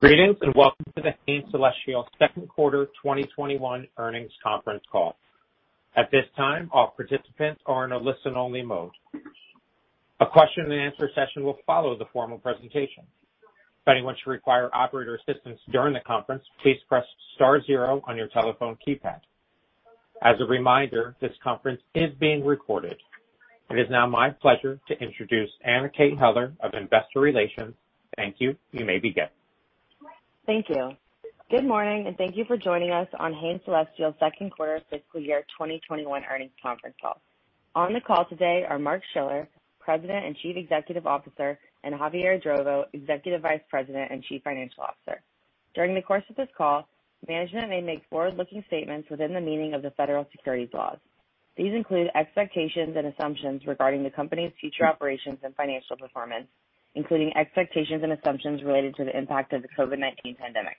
Greetings, and welcome to the Hain Celestial second quarter 2021 earnings conference call. At this time, all participants are in a listen-only mode. A question and answer session will follow the formal presentation. If you want or require operator assistance during the conference, please press star zero on your telephone keypad. As a reminder, this conference is being recorded. It is now my pleasure to introduce Anna Kate Heller of Investor Relations. Thank you. You may begin. Thank you. Good morning, and thank you for joining us on Hain Celestial's second quarter fiscal year 2021 earnings conference call. On the call today are Mark Schiller, President and Chief Executive Officer, and Javier Idrovo, Executive Vice President and Chief Financial Officer. During the course of this call, management may make forward-looking statements within the meaning of the federal securities laws. These include expectations and assumptions regarding the company's future operations and financial performance, including expectations and assumptions related to the impact of the COVID-19 pandemic.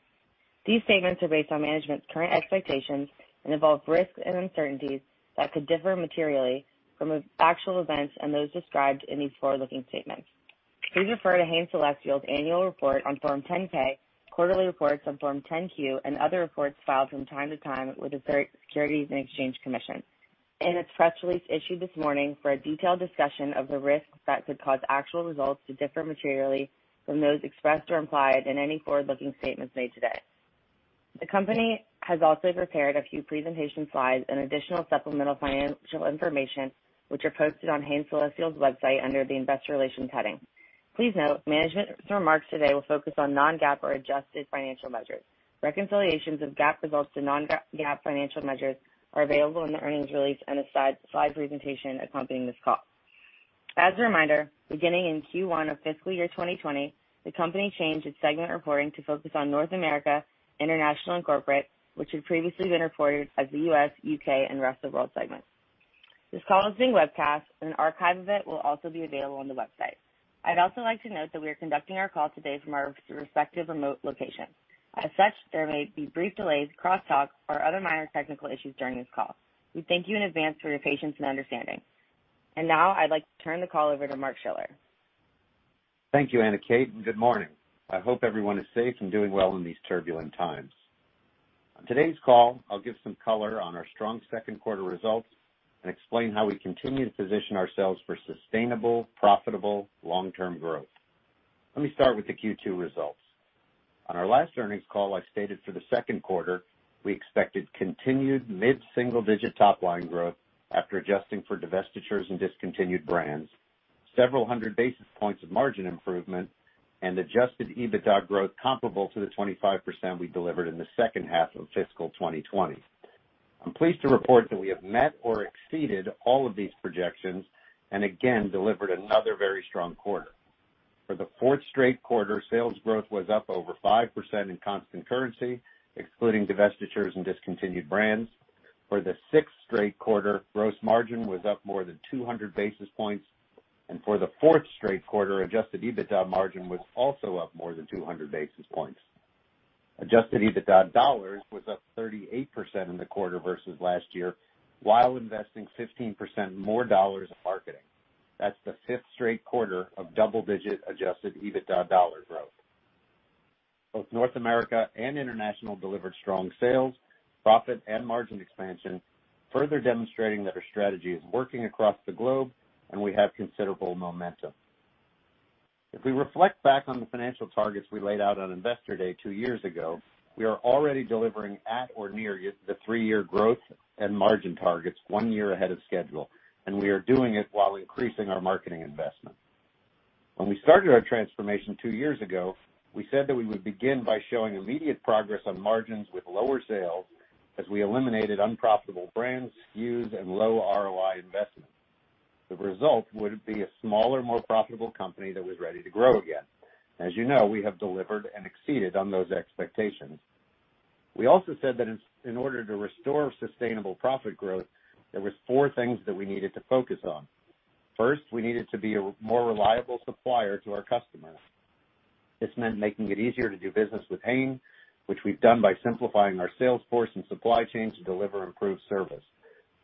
These statements are based on management's current expectations and involve risks and uncertainties that could differ materially from actual events and those described in these forward-looking statements. Please refer to Hain Celestial's annual report on Form 10-K, quarterly reports on Form 10-Q, and other reports filed from time to time with the Securities and Exchange Commission and its press release issued this morning for a detailed discussion of the risks that could cause actual results to differ materially from those expressed or implied in any forward-looking statements made today. The company has also prepared a few presentation slides and additional supplemental financial information, which are posted on Hain Celestial's website under the investor relations heading. Please note management's remarks today will focus on non-GAAP or adjusted financial measures. Reconciliations of GAAP results to non-GAAP financial measures are available in the earnings release and the slide presentation accompanying this call. As a reminder, beginning in Q1 of fiscal year 2020, the company changed its segment reporting to focus on North America, International, and Corporate, which had previously been reported as the U.S., U.K., and Rest of World segments. This call is being webcast, an archive of it will also be available on the website. I'd also like to note that we are conducting our call today from our respective remote locations. As such, there may be brief delays, crosstalk, or other minor technical issues during this call. We thank you in advance for your patience and understanding. Now I'd like to turn the call over to Mark Schiller. Thank you, Anna Kate. Good morning. I hope everyone is safe and doing well in these turbulent times. On today's call, I'll give some color on our strong second quarter results and explain how we continue to position ourselves for sustainable, profitable, long-term growth. Let me start with the Q2 results. On our last earnings call, I stated for the second quarter we expected continued mid-single-digit top-line growth after adjusting for divestitures and discontinued brands, several hundred basis points of margin improvement, and adjusted EBITDA growth comparable to the 25% we delivered in the second half of FY 2020. I'm pleased to report that we have met or exceeded all of these projections and again delivered another very strong quarter. For the fourth straight quarter, sales growth was up over 5% in constant currency, excluding divestitures and discontinued brands. For the sixth straight quarter, gross margin was up more than 200 basis points. For the fourth straight quarter, adjusted EBITDA margin was also up more than 200 basis points. Adjusted EBITDA dollars was up 38% in the quarter versus last year while investing 15% more dollars in marketing. That's the fifth straight quarter of double-digit adjusted EBITDA dollar growth. Both North America and International delivered strong sales, profit, and margin expansion, further demonstrating that our strategy is working across the globe and we have considerable momentum. We reflect back on the financial targets we laid out on Investor Day two years ago, we are already delivering at or near the three-year growth and margin targets one year ahead of schedule. We are doing it while increasing our marketing investment. When we started our transformation two years ago, we said that we would begin by showing immediate progress on margins with lower sales as we eliminated unprofitable brands, SKUs, and low ROI investments. The result would be a smaller, more profitable company that was ready to grow again. As you know, we have delivered and exceeded on those expectations. We also said that in order to restore sustainable profit growth, there was four things that we needed to focus on. First, we needed to be a more reliable supplier to our customers. This meant making it easier to do business with Hain, which we've done by simplifying our sales force and supply chain to deliver improved service.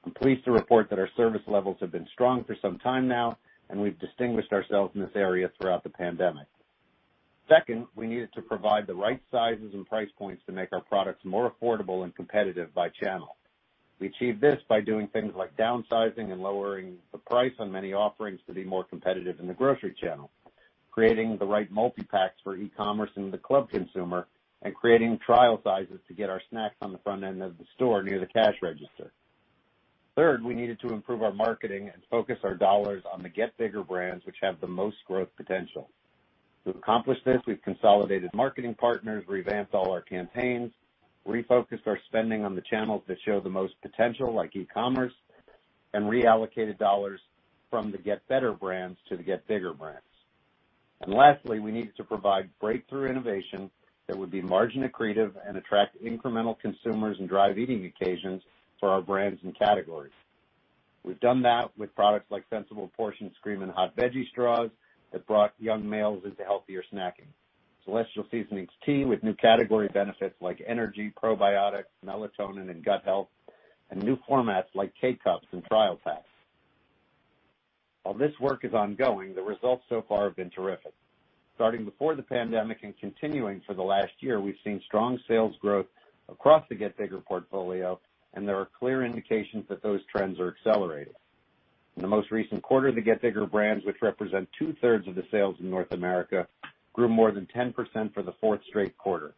I'm pleased to report that our service levels have been strong for some time now, and we've distinguished ourselves in this area throughout the pandemic. Second, we needed to provide the right sizes and price points to make our products more affordable and competitive by channel. We achieved this by doing things like downsizing and lowering the price on many offerings to be more competitive in the grocery channel, creating the right multi-packs for e-commerce and the club consumer, and creating trial sizes to get our snacks on the front end of the store near the cash register. Third, we needed to improve our marketing and focus our dollars on the Get Bigger brands, which have the most growth potential. To accomplish this, we've consolidated marketing partners, revamped all our campaigns, refocused our spending on the channels that show the most potential, like e-commerce, and reallocated dollars from the Get Better brands to the Get Bigger brands. Lastly, we needed to provide breakthrough innovation that would be margin accretive and attract incremental consumers and drive eating occasions for our brands and categories. We've done that with products like Sensible Portions' Screamin' Hot Garden Veggie Straws that brought young males into healthier snacking, Celestial Seasonings tea with new category benefits like energy, probiotics, melatonin, and gut health, and new formats like K-Cups and trial packs. While this work is ongoing, the results so far have been terrific. Starting before the pandemic and continuing for the last year, we've seen strong sales growth across the Get Bigger portfolio, and there are clear indications that those trends are accelerating. In the most recent quarter, the Get Bigger brands, which represent 2/3 of the sales in North America, grew more than 10% for the fourth straight quarter.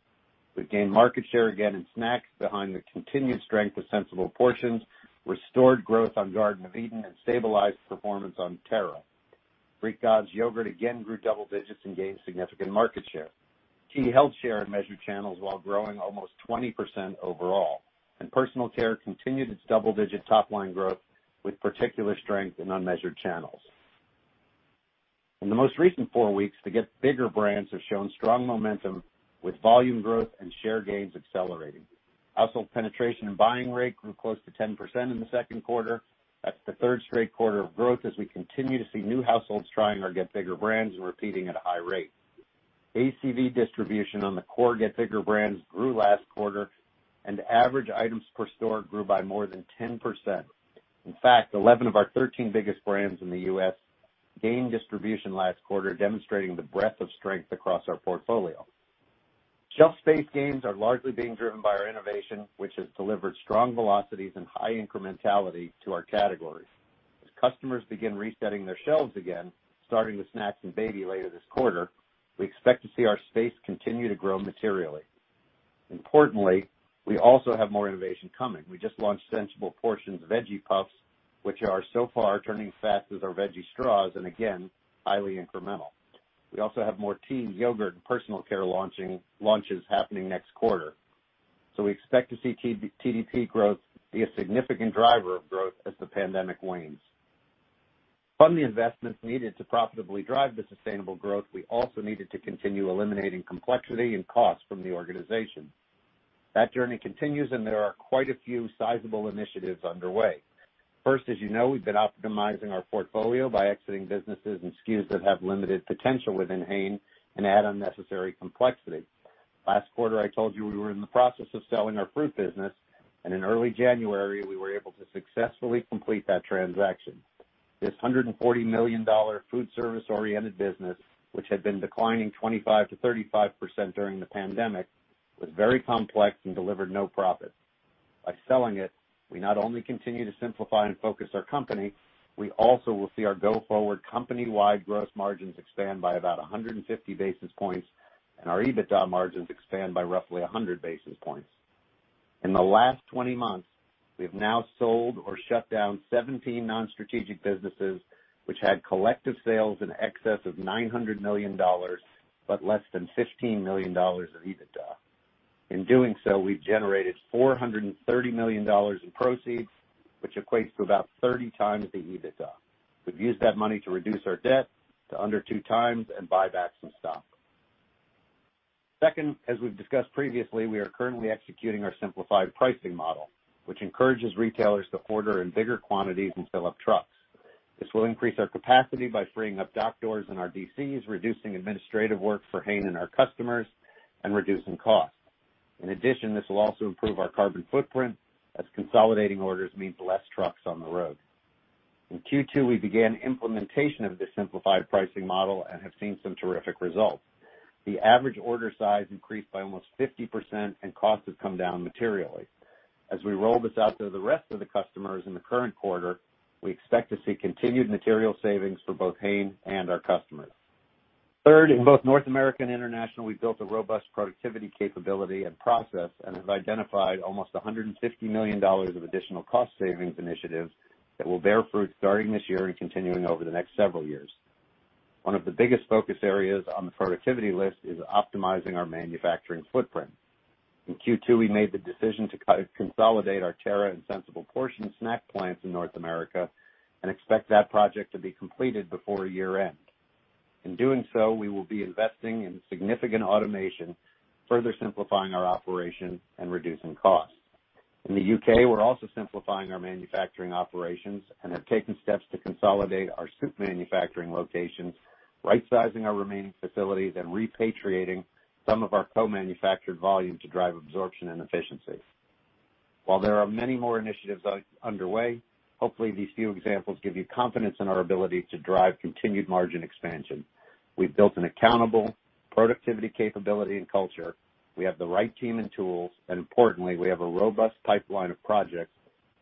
We gained market share again in snacks behind the continued strength of Sensible Portions, restored growth on Garden of Eatin', and stabilized performance on Terra. Greek Gods yogurt again grew double digits and gained significant market share. Tea held share in measured channels while growing almost 20% overall, and personal care continued its double-digit top-line growth with particular strength in unmeasured channels. In the most recent four weeks, the Get Bigger brands have shown strong momentum with volume growth and share gains accelerating. Household penetration and buying rate grew close to 10% in the second quarter. That's the third straight quarter of growth as we continue to see new households trying our Get Bigger brands and repeating at a high rate. ACV distribution on the core Get Bigger brands grew last quarter, and average items per store grew by more than 10%. 11 of our 13 biggest brands in the U.S. gained distribution last quarter, demonstrating the breadth of strength across our portfolio. Shelf space gains are largely being driven by our innovation, which has delivered strong velocities and high incrementality to our categories. As customers begin resetting their shelves again, starting with snacks and baby later this quarter, we expect to see our space continue to grow materially. We also have more innovation coming. We just launched Sensible Portions Veggie Puffs, which are so far turning fast as our veggie straws, again, highly incremental. We also have more tea, yogurt, and personal care launches happening next quarter. We expect to see TDP growth be a significant driver of growth as the pandemic wanes. To fund the investments needed to profitably drive the sustainable growth, we also needed to continue eliminating complexity and cost from the organization. That journey continues. There are quite a few sizable initiatives underway. First, as you know, we've been optimizing our portfolio by exiting businesses and SKUs that have limited potential within Hain and add unnecessary complexity. Last quarter, I told you we were in the process of selling our Fruit business, and in early January, we were able to successfully complete that transaction. This $140 million food service-oriented business, which had been declining 25%-35% during the pandemic, was very complex and delivered no profit. By selling it, we not only continue to simplify and focus our company, we also will see our go-forward company-wide gross margins expand by about 150 basis points and our EBITDA margins expand by roughly 100 basis points. In the last 20 months, we have now sold or shut down 17 non-strategic businesses which had collective sales in excess of $900 million, but less than $15 million of EBITDA. In doing so, we've generated $430 million in proceeds, which equates to about 30x the EBITDA. We've used that money to reduce our debt to under two times and buy back some stock. Second, as we've discussed previously, we are currently executing our simplified pricing model, which encourages retailers to order in bigger quantities and fill up trucks. This will increase our capacity by freeing up dock doors in our DCs, reducing administrative work for Hain and our customers, and reducing costs. In addition, this will also improve our carbon footprint, as consolidating orders means less trucks on the road. In Q2, we began implementation of this simplified pricing model and have seen some terrific results. The average order size increased by almost 50%, and cost has come down materially. As we roll this out to the rest of the customers in the current quarter, we expect to see continued material savings for both Hain and our customers. Third, in both North America and International, we've built a robust productivity capability and process and have identified almost $150 million of additional cost savings initiatives that will bear fruit starting this year and continuing over the next several years. One of the biggest focus areas on the productivity list is optimizing our manufacturing footprint. In Q2, we made the decision to consolidate our Terra and Sensible Portions snack plants in North America and expect that project to be completed before year-end. In doing so, we will be investing in significant automation, further simplifying our operation and reducing costs. In the U.K., we're also simplifying our manufacturing operations and have taken steps to consolidate our soup manufacturing locations, rightsizing our remaining facilities, and repatriating some of our co-manufactured volume to drive absorption and efficiency. While there are many more initiatives underway, hopefully these few examples give you confidence in our ability to drive continued margin expansion. We've built an accountable productivity capability and culture. We have the right team and tools, and importantly, we have a robust pipeline of projects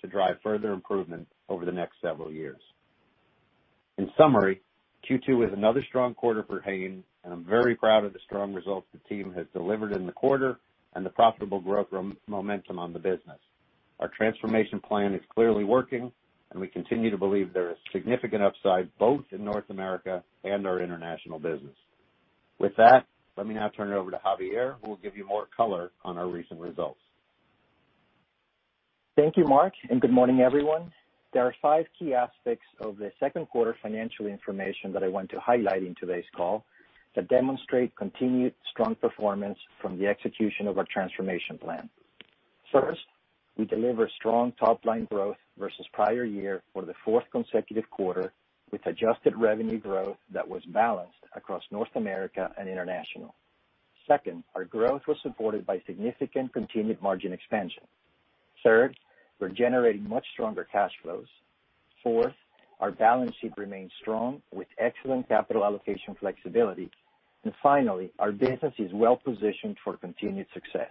to drive further improvement over the next several years. In summary, Q2 was another strong quarter for Hain, and I'm very proud of the strong results the team has delivered in the quarter and the profitable growth momentum on the business. Our transformation plan is clearly working, and we continue to believe there is significant upside both in North America and our international business. With that, let me now turn it over to Javier, who will give you more color on our recent results. Thank you, Mark, and good morning, everyone. There are five key aspects of the second quarter financial information that I want to highlight in today's call that demonstrate continued strong performance from the execution of our transformation plan. First, we delivered strong top-line growth versus prior year for the fourth consecutive quarter with adjusted revenue growth that was balanced across North America and International. Second, our growth was supported by significant continued margin expansion. Third, we're generating much stronger cash flows. Fourth, our balance sheet remains strong with excellent capital allocation flexibility. Finally, our business is well-positioned for continued success.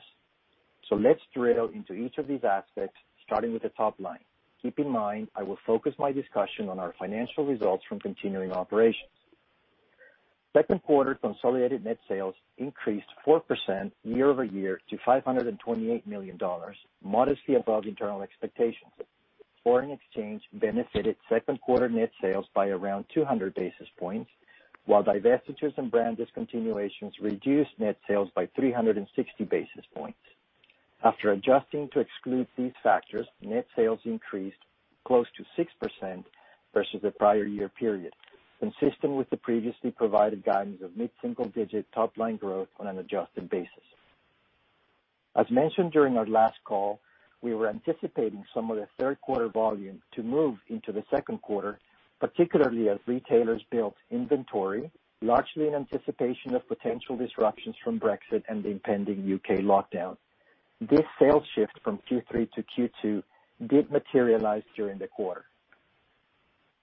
Let's drill into each of these aspects, starting with the top line. Keep in mind, I will focus my discussion on our financial results from continuing operations. Second quarter consolidated net sales increased 4% year-over-year to $528 million, modestly above internal expectations. Foreign exchange benefited second quarter net sales by around 200 basis points, while divestitures and brand discontinuations reduced net sales by 360 basis points. After adjusting to exclude these factors, net sales increased close to 6% versus the prior year period, consistent with the previously provided guidance of mid-single digit top-line growth on an adjusted basis. As mentioned during our last call, we were anticipating some of the third quarter volume to move into the second quarter, particularly as retailers built inventory, largely in anticipation of potential disruptions from Brexit and the impending U.K. lockdown. This sales shift from Q3 to Q2 did materialize during the quarter.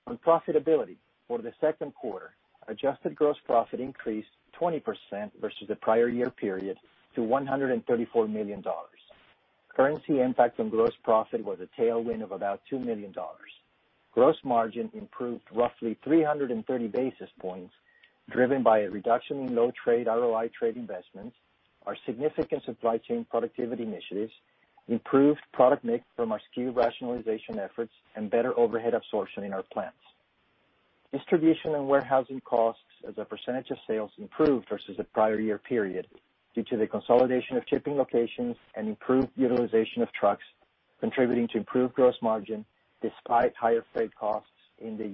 On profitability for the second quarter, adjusted gross profit increased 20% versus the prior year period to $134 million. Currency impact on gross profit was a tailwind of about $2 million. Gross margin improved roughly 330 basis points, driven by a reduction in low trade ROI trade investments, our significant supply chain productivity initiatives, improved product mix from our SKU rationalization efforts, and better overhead absorption in our plants. Distribution and warehousing costs as a percentage of sales improved versus the prior year period due to the consolidation of shipping locations and improved utilization of trucks, contributing to improved gross margin despite higher freight costs in the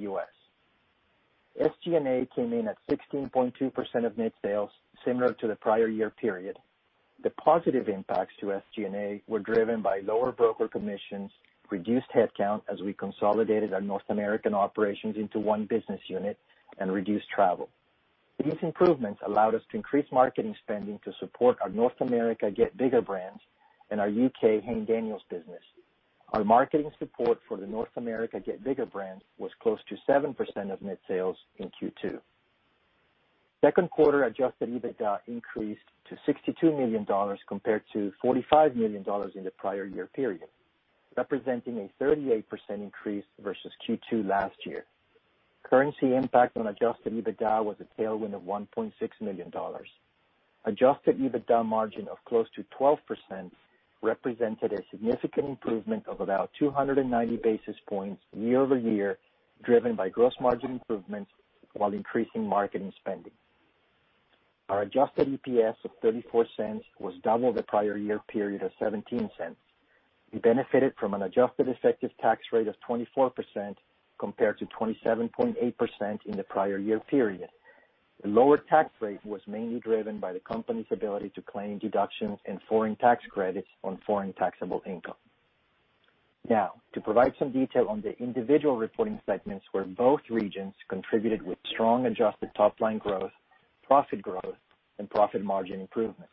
U.S. SG&A came in at 16.2% of net sales, similar to the prior year period. The positive impacts to SG&A were driven by lower broker commissions, reduced headcount as we consolidated our North American operations into one business unit, and reduced travel. These improvements allowed us to increase marketing spending to support our North America Get Bigger brands and our U.K. Hain Daniels business. Our marketing support for the North America Get Bigger brands was close to 7% of net sales in Q2. Second quarter adjusted EBITDA increased to $62 million compared to $45 million in the prior year period, representing a 38% increase versus Q2 last year. Currency impact on adjusted EBITDA was a tailwind of $1.6 million. Adjusted EBITDA margin of close to 12% represented a significant improvement of about 290 basis points year-over-year, driven by gross margin improvements while increasing marketing spending. Our adjusted EPS of $0.34 was double the prior year period of $0.17. We benefited from an adjusted effective tax rate of 24% compared to 27.8% in the prior year period. The lower tax rate was mainly driven by the company's ability to claim deductions and foreign tax credits on foreign taxable income. To provide some detail on the individual reporting segments where both regions contributed with strong adjusted top-line growth, profit growth, and profit margin improvement.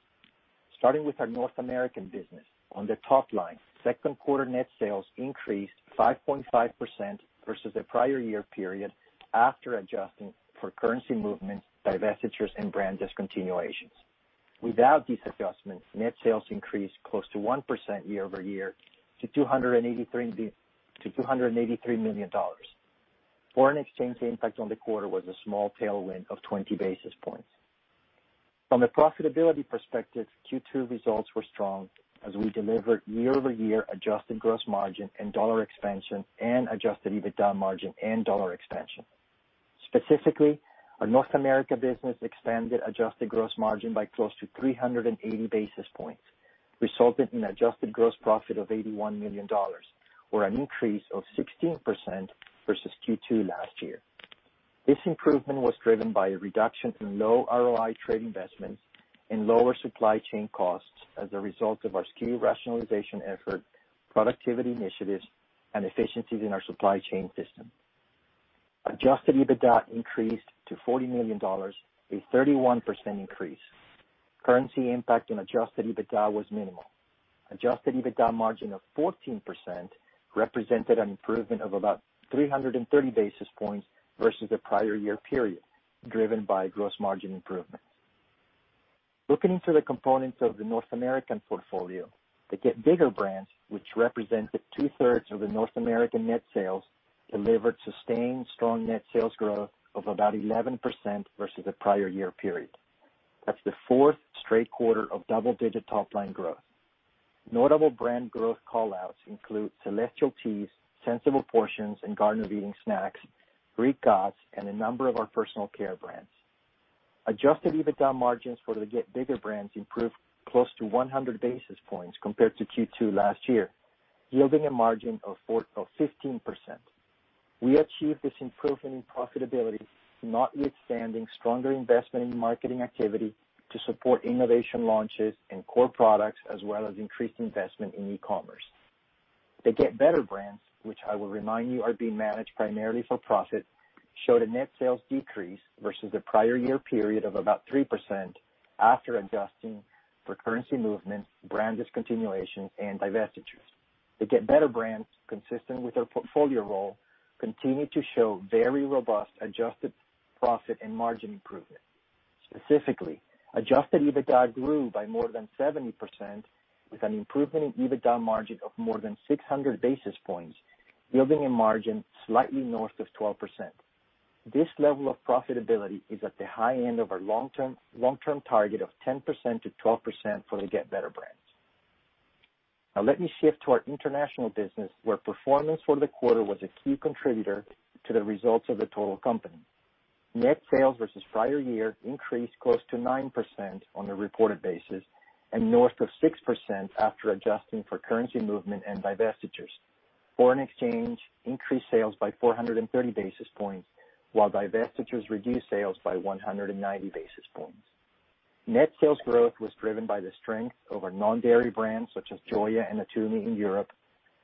Starting with our North American business. On the top line, second quarter net sales increased 5.5% versus the prior year period after adjusting for currency movements, divestitures, and brand discontinuations. Without these adjustments, net sales increased close to 1% year-over-year to $283 million. Foreign exchange impact on the quarter was a small tailwind of 20 basis points. From a profitability perspective, Q2 results were strong as we delivered year-over-year adjusted gross margin and dollar expansion and adjusted EBITDA margin and dollar expansion. Specifically, our North America business expanded adjusted gross margin by close to 380 basis points, resulting in adjusted gross profit of $81 million, or an increase of 16% versus Q2 last year. This improvement was driven by a reduction in low ROI trade investments and lower supply chain costs as a result of our SKU rationalization effort, productivity initiatives, and efficiencies in our supply chain system. Adjusted EBITDA increased to $40 million, a 31% increase. Currency impact on adjusted EBITDA was minimal. Adjusted EBITDA margin of 14% represented an improvement of about 330 basis points versus the prior year period, driven by gross margin improvements. Looking through the components of the North American portfolio, the Get Bigger brands, which represented two-thirds of the North American net sales, delivered sustained strong net sales growth of about 11% versus the prior year period. That's the fourth straight quarter of double-digit top-line growth. Notable brand growth callouts include Celestial Seasonings, Sensible Portions, and Garden of Eatin' snacks, Greek Gods, and a number of our personal care brands. Adjusted EBITDA margins for the Get Bigger brands improved close to 100 basis points compared to Q2 last year, yielding a margin of 15%. We achieved this improvement in profitability notwithstanding stronger investment in marketing activity to support innovation launches and core products, as well as increased investment in e-commerce. The Get Better brands, which I will remind you are being managed primarily for profit, showed a net sales decrease versus the prior year period of about 3% after adjusting for currency movement, brand discontinuation, and divestitures. The Get Better brands, consistent with our portfolio role, continued to show very robust adjusted profit and margin improvement. Specifically, adjusted EBITDA grew by more than 70% with an improvement in EBITDA margin of more than 600 basis points, yielding a margin slightly north of 12%. This level of profitability is at the high end of our long-term target of 10%-12% for the Get Better brands. Now let me shift to our international business, where performance for the quarter was a key contributor to the results of the total company. Net sales versus prior year increased close to 9% on a reported basis and north of 6% after adjusting for currency movement and divestitures. Foreign exchange increased sales by 430 basis points, while divestitures reduced sales by 190 basis points. Net sales growth was driven by the strength of our non-dairy brands such as Joya and Natumi in Europe,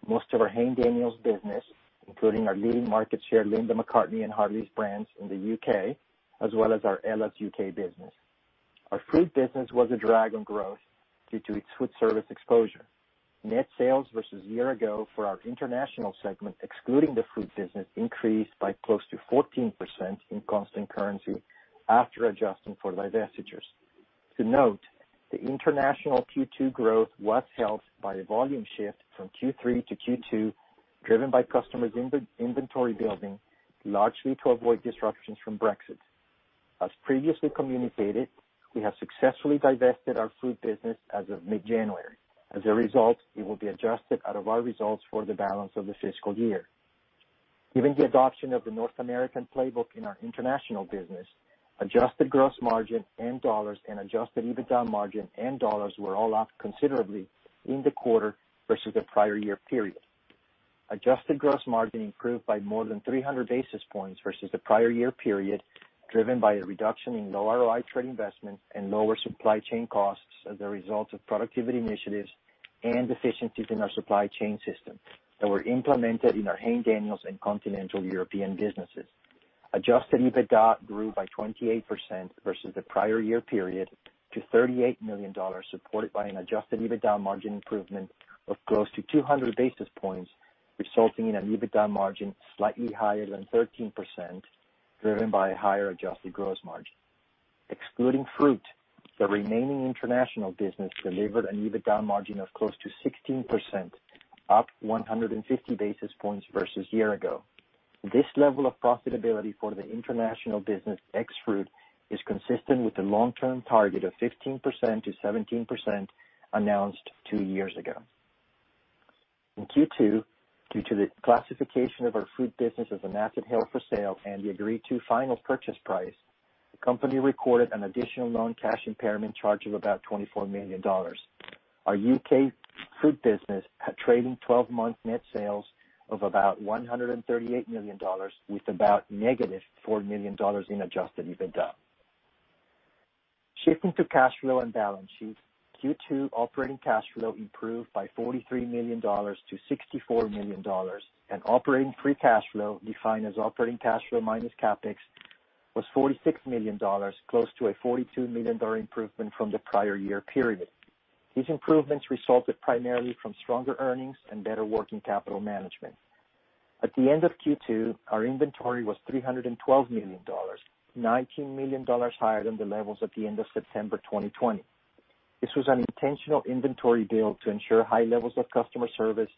most of our Hain Daniels business, including our leading market share, Linda McCartney's and Hartley's brands in the U.K., as well as our Ella's Kitchen business. Our Fruit business was a drag on growth due to its food service exposure. Net sales versus year ago for our international segment, excluding the Fruit business, increased by close to 14% in constant currency after adjusting for divestitures. To note, the international Q2 growth was helped by a volume shift from Q3 to Q2, driven by customers' inventory building, largely to avoid disruptions from Brexit. As previously communicated, we have successfully divested our Fruit business as of mid-January. As a result, it will be adjusted out of our results for the balance of the fiscal year. Given the adoption of the North American playbook in our international business, adjusted gross margin and dollars and adjusted EBITDA margin and dollars were all up considerably in the quarter versus the prior year period. Adjusted gross margin improved by more than 300 basis points versus the prior year period, driven by a reduction in low ROI trade investment and lower supply chain costs as a result of productivity initiatives and efficiencies in our supply chain system that were implemented in our Hain Daniels and continental European businesses. Adjusted EBITDA grew by 28% versus the prior year period to $38 million, supported by an adjusted EBITDA margin improvement of close to 200 basis points, resulting in an EBITDA margin slightly higher than 13%, driven by a higher adjusted gross margin. Excluding Fruit, the remaining international business delivered an EBITDA margin of close to 16%, up 150 basis points versus year ago. This level of profitability for the international business ex Fruit is consistent with the long-term target of 15%-17% announced two years ago. In Q2, due to the classification of our Fruit business as an asset held for sale and the agreed to final purchase price, the company recorded an additional non-cash impairment charge of about $24 million. Our U.K. Fruit business had trailling 12-month net sales of about $138 million with about negative $4 million in adjusted EBITDA. Shifting to cash flow and balance sheet, Q2 operating cash flow improved by $43 million to $64 million, and operating free cash flow, defined as operating cash flow minus CapEx, was $46 million, close to a $42 million improvement from the prior year period. These improvements resulted primarily from stronger earnings and better working capital management. At the end of Q2, our inventory was $312 million, $19 million higher than the levels at the end of September 2020. This was an intentional inventory build to ensure high levels of customer service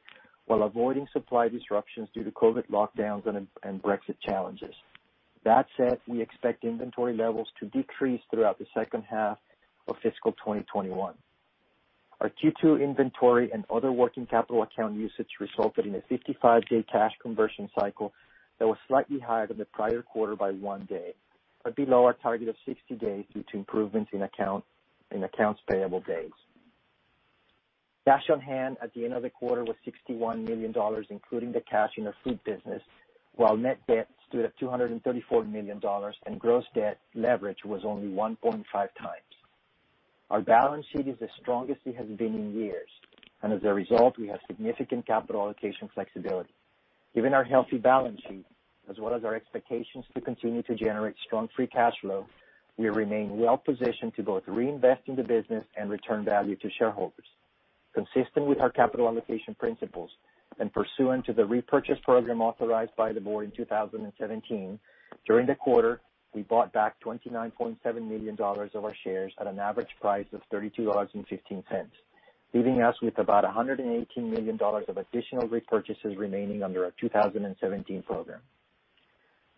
while avoiding supply disruptions due to COVID lockdowns and Brexit challenges. We expect inventory levels to decrease throughout the second half of fiscal 2021. Our Q2 inventory and other working capital account usage resulted in a 55-day cash conversion cycle that was slightly higher than the prior quarter by one day, but below our target of 60 days due to improvements in accounts payable days. Cash on hand at the end of the quarter was $61 million, including the cash in the Fruit business, while net debt stood at $234 million, and gross debt leverage was only 1.5x. Our balance sheet is the strongest it has been in years, and as a result, we have significant capital allocation flexibility. Given our healthy balance sheet, as well as our expectations to continue to generate strong free cash flow, we remain well positioned to both reinvest in the business and return value to shareholders. Consistent with our capital allocation principles and pursuant to the repurchase program authorized by the board in 2017, during the quarter, we bought back $29.7 million of our shares at an average price of $32.15, leaving us with about $118 million of additional repurchases remaining under our 2017 program.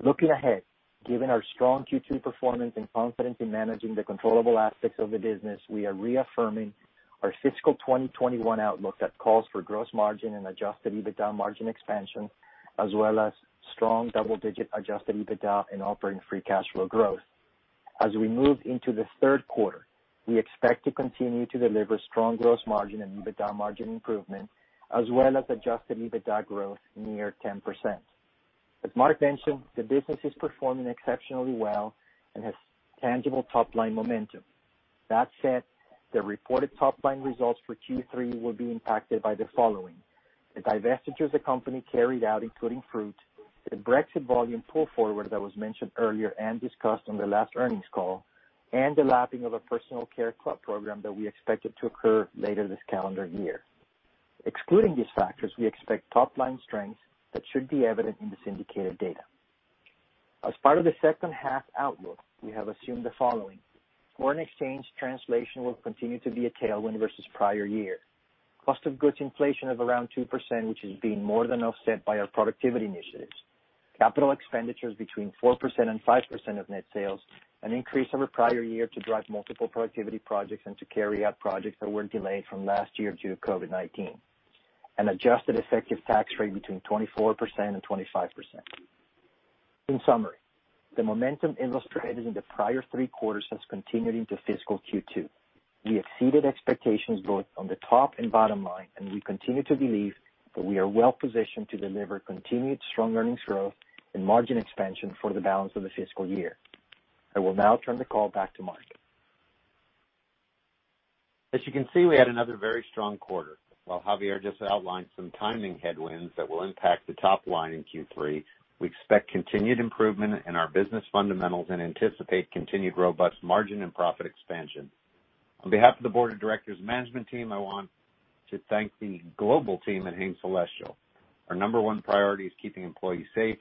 Looking ahead, given our strong Q2 performance and confidence in managing the controllable aspects of the business, we are reaffirming our fiscal 2021 outlook that calls for gross margin and adjusted EBITDA margin expansion, as well as strong double-digit adjusted EBITDA and operating free cash flow growth. As we move into the third quarter, we expect to continue to deliver strong gross margin and EBITDA margin improvement, as well as adjusted EBITDA growth near 10%. As Mark mentioned, the business is performing exceptionally well and has tangible top-line momentum. That said, the reported top-line results for Q3 will be impacted by the following. The divestiture the company carried out, including Fruit, the Brexit volume pull forward that was mentioned earlier and discussed on the last earnings call, and the lapping of a personal care club program that we expected to occur later this calendar year. Excluding these factors, we expect top-line strength that should be evident in the syndicated data. As part of the second half outlook, we have assumed the following. Foreign exchange translation will continue to be a tailwind versus prior year. Cost of goods inflation of around 2%, which is being more than offset by our productivity initiatives. Capital expenditures between 4% and 5% of net sales, an increase over prior year to drive multiple productivity projects and to carry out projects that were delayed from last year due to COVID-19. An adjusted effective tax rate between 24% and 25%. In summary, the momentum illustrated in the prior three quarters has continued into fiscal Q2. We continue to believe that we are well-positioned to deliver continued strong earnings growth and margin expansion for the balance of the fiscal year. I will now turn the call back to Mark. As you can see, we had another very strong quarter. While Javier just outlined some timing headwinds that will impact the top line in Q3, we expect continued improvement in our business fundamentals and anticipate continued robust margin and profit expansion. On behalf of the board of directors and management team, I want to thank the global team at Hain Celestial. Our number one priority is keeping employees safe,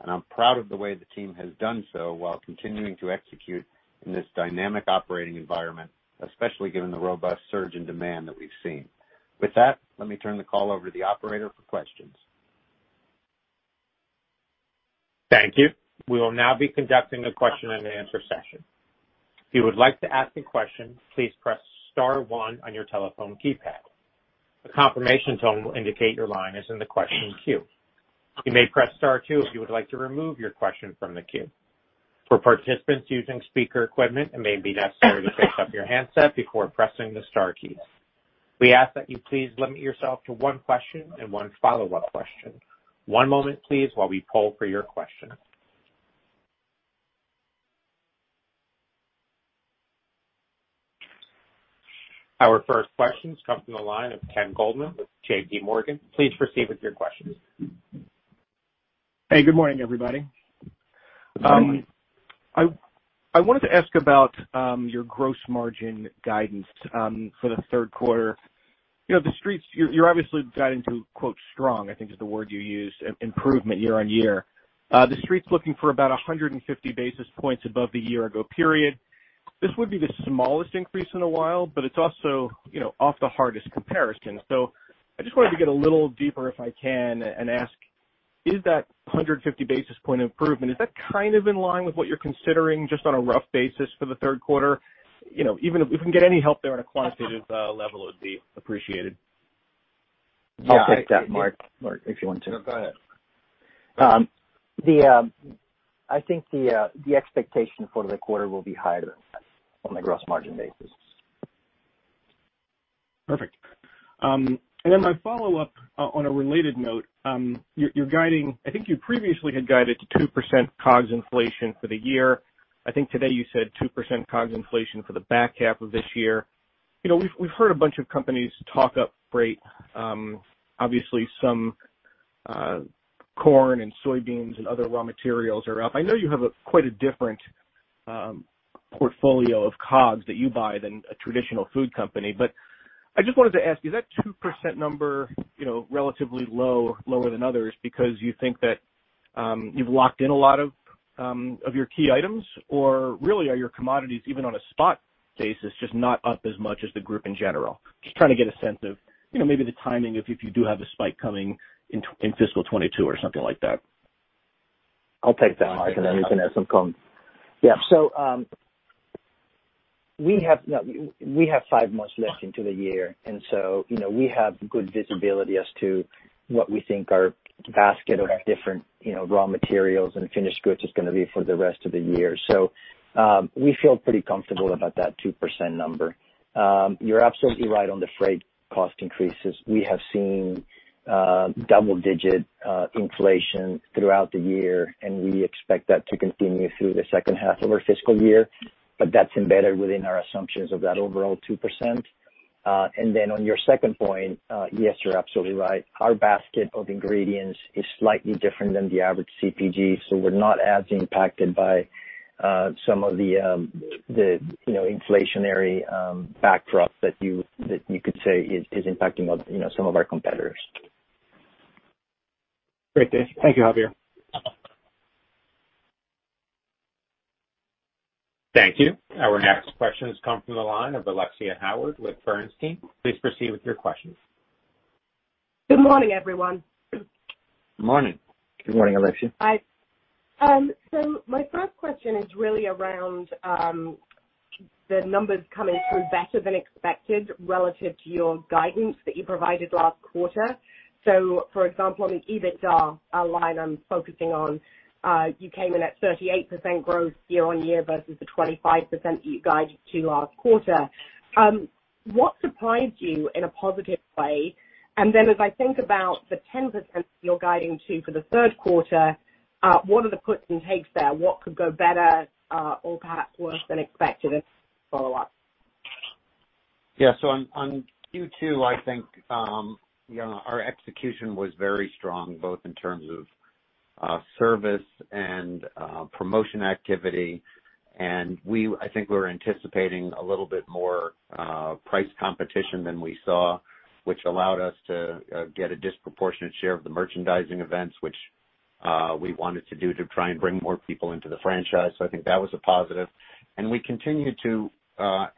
and I'm proud of the way the team has done so while continuing to execute in this dynamic operating environment, especially given the robust surge in demand that we've seen. With that, let me turn the call over to the operator for questions. Thank you. We will now be conducting a question and answer session. We ask that you please limit yourself to one question and one follow-up question. One moment, please, while we poll for your question. Our first question comes from the line of Ken Goldman with JPMorgan. Please proceed with your questions. Hey, good morning, everybody. Good morning. Good morning. I wanted to ask about your gross margin guidance for the third quarter. You're obviously guiding to quote "strong," I think is the word you used, improvement year-on-year. The Street's looking for about 150 basis points above the year ago period. This would be the smallest increase in a while, but it's also off the hardest comparison. I just wanted to get a little deeper, if I can, and ask, is that 150 basis point improvement, is that kind of in line with what you're considering, just on a rough basis for the third quarter? If we can get any help there on a quantitative level, it would be appreciated. I'll take that, Mark, if you want to. No, go ahead. I think the expectation for the quarter will be higher than that on a gross margin basis. Perfect. Then my follow-up on a related note, I think you previously had guided to 2% COGS inflation for the year. I think today you said 2% COGS inflation for the back half of this year. We've heard a bunch of companies talk up freight. Obviously some corn and soybeans and other raw materials are up. I know you have quite a different portfolio of COGS that you buy than a traditional food company. I just wanted to ask, is that 2% number relatively lower than others because you think that you've locked in a lot of your key items? Really, are your commodities, even on a spot basis, just not up as much as the group in general? Just trying to get a sense of maybe the timing if you do have a spike coming in fiscal 2022 or something like that. I'll take that, Mark, and then you can ask some. Yeah. We have five months left into the year, and we have good visibility as to what we think our basket of different raw materials and finished goods is going to be for the rest of the year. We feel pretty comfortable about that 2% number. You're absolutely right on the freight cost increases. We have seen double-digit inflation throughout the year, and we expect that to continue through the second half of our fiscal year, but that's embedded within our assumptions of that overall 2%. On your second point, yes, you're absolutely right. Our basket of ingredients is slightly different than the average CPG, so we're not as impacted by some of the inflationary backdrop that you could say is impacting some of our competitors. Great. Thank you, Javier. Thank you. Our next question comes from the line of Alexia Howard with Bernstein. Please proceed with your questions. Good morning, everyone. Morning. Good morning, Alexia. Hi. My first question is really around the numbers coming through better than expected relative to your guidance that you provided last quarter. For example, on the EBITDA line I'm focusing on, you came in at 38% growth year-on-year versus the 25% that you guided to last quarter. What surprised you in a positive way? As I think about the 10% that you're guiding to for the third quarter, what are the puts and takes there? What could go better or perhaps worse than expected as a follow-up? Yeah. On Q2, I think our execution was very strong, both in terms of service and promotion activity. I think we were anticipating a little bit more price competition than we saw, which allowed us to get a disproportionate share of the merchandising events, which we wanted to do to try and bring more people into the franchise. I think that was a positive. We continued to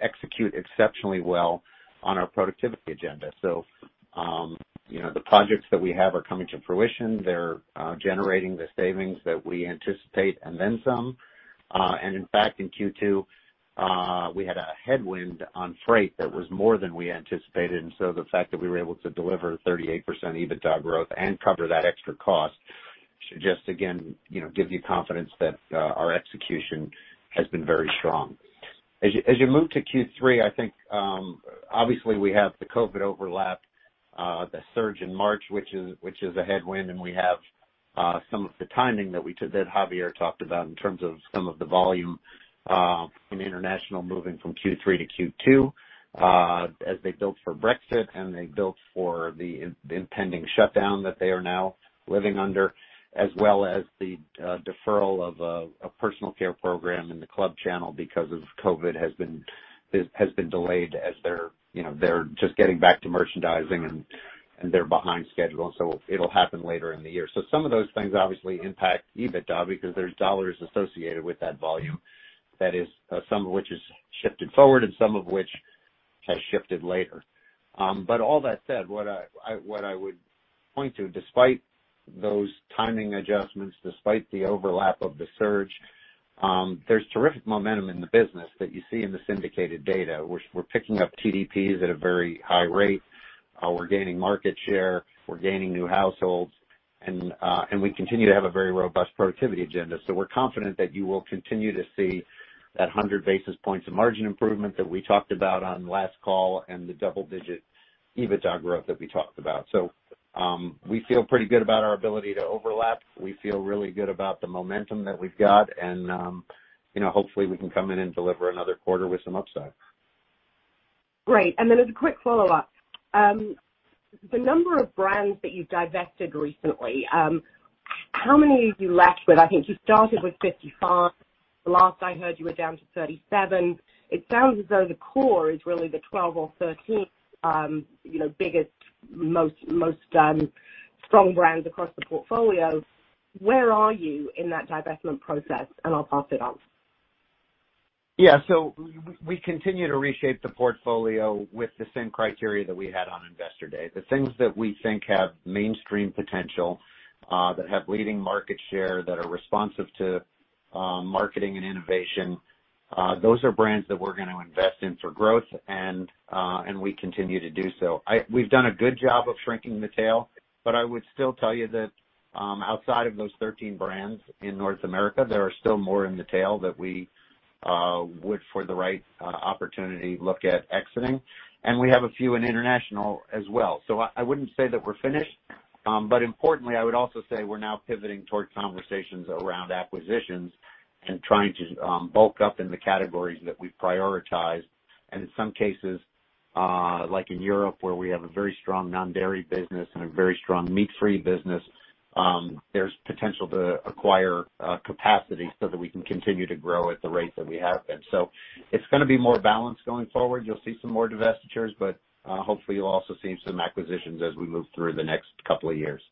execute exceptionally well on our productivity agenda. The projects that we have are coming to Fruition. They're generating the savings that we anticipate and then some. In fact, in Q2, we had a headwind on freight that was more than we anticipated. The fact that we were able to deliver 38% EBITDA growth and cover that extra cost should just, again, give you confidence that our execution has been very strong. As you move to Q3, I think, obviously, we have the COVID overlap, the surge in March, which is a headwind, and we have some of the timing that Javier talked about in terms of some of the volume in international moving from Q3 to Q2, as they built for Brexit and they built for the impending shutdown that they are now living under, as well as the deferral of a personal care program in the club channel because of COVID has been delayed as they're just getting back to merchandising and they're behind schedule. It'll happen later in the year. Some of those things obviously impact EBITDA because there's dollars associated with that volume. That is, some of which is shifted forward and some of which has shifted later. All that said, what I would point to, despite those timing adjustments, despite the overlap of the surge, there's terrific momentum in the business that you see in the syndicated data. We're picking up TDPs at a very high rate. We're gaining market share. We're gaining new households. We continue to have a very robust productivity agenda. We're confident that you will continue to see that 100 basis points of margin improvement that we talked about on last call and the double-digit EBITDA growth that we talked about. We feel pretty good about our ability to overlap. We feel really good about the momentum that we've got, and hopefully we can come in and deliver another quarter with some upside. As a quick follow-up, the number of brands that you divested recently, how many have you left with? I think you started with 55. The last I heard you were down to 37. It sounds as though the core is really the 12 or 13 biggest, most strong brands across the portfolio. Where are you in that divestment process? I'll pass it on. We continue to reshape the portfolio with the same criteria that we had on Investor Day. The things that we think have mainstream potential, that have leading market share, that are responsive to marketing and innovation, those are brands that we're going to invest in for growth and we continue to do so. We've done a good job of shrinking the tail, I would still tell you that outside of those 13 brands in North America, there are still more in the tail that we would, for the right opportunity, look at exiting. We have a few in international as well. I wouldn't say that we're finished. Importantly, I would also say we're now pivoting towards conversations around acquisitions and trying to bulk up in the categories that we've prioritized. In some cases, like in Europe, where we have a very strong non-dairy business and a very strong meat-free business, there's potential to acquire capacity so that we can continue to grow at the rate that we have been. It's going to be more balanced going forward. You'll see some more divestitures, but hopefully you'll also see some acquisitions as we move through the next couple of years.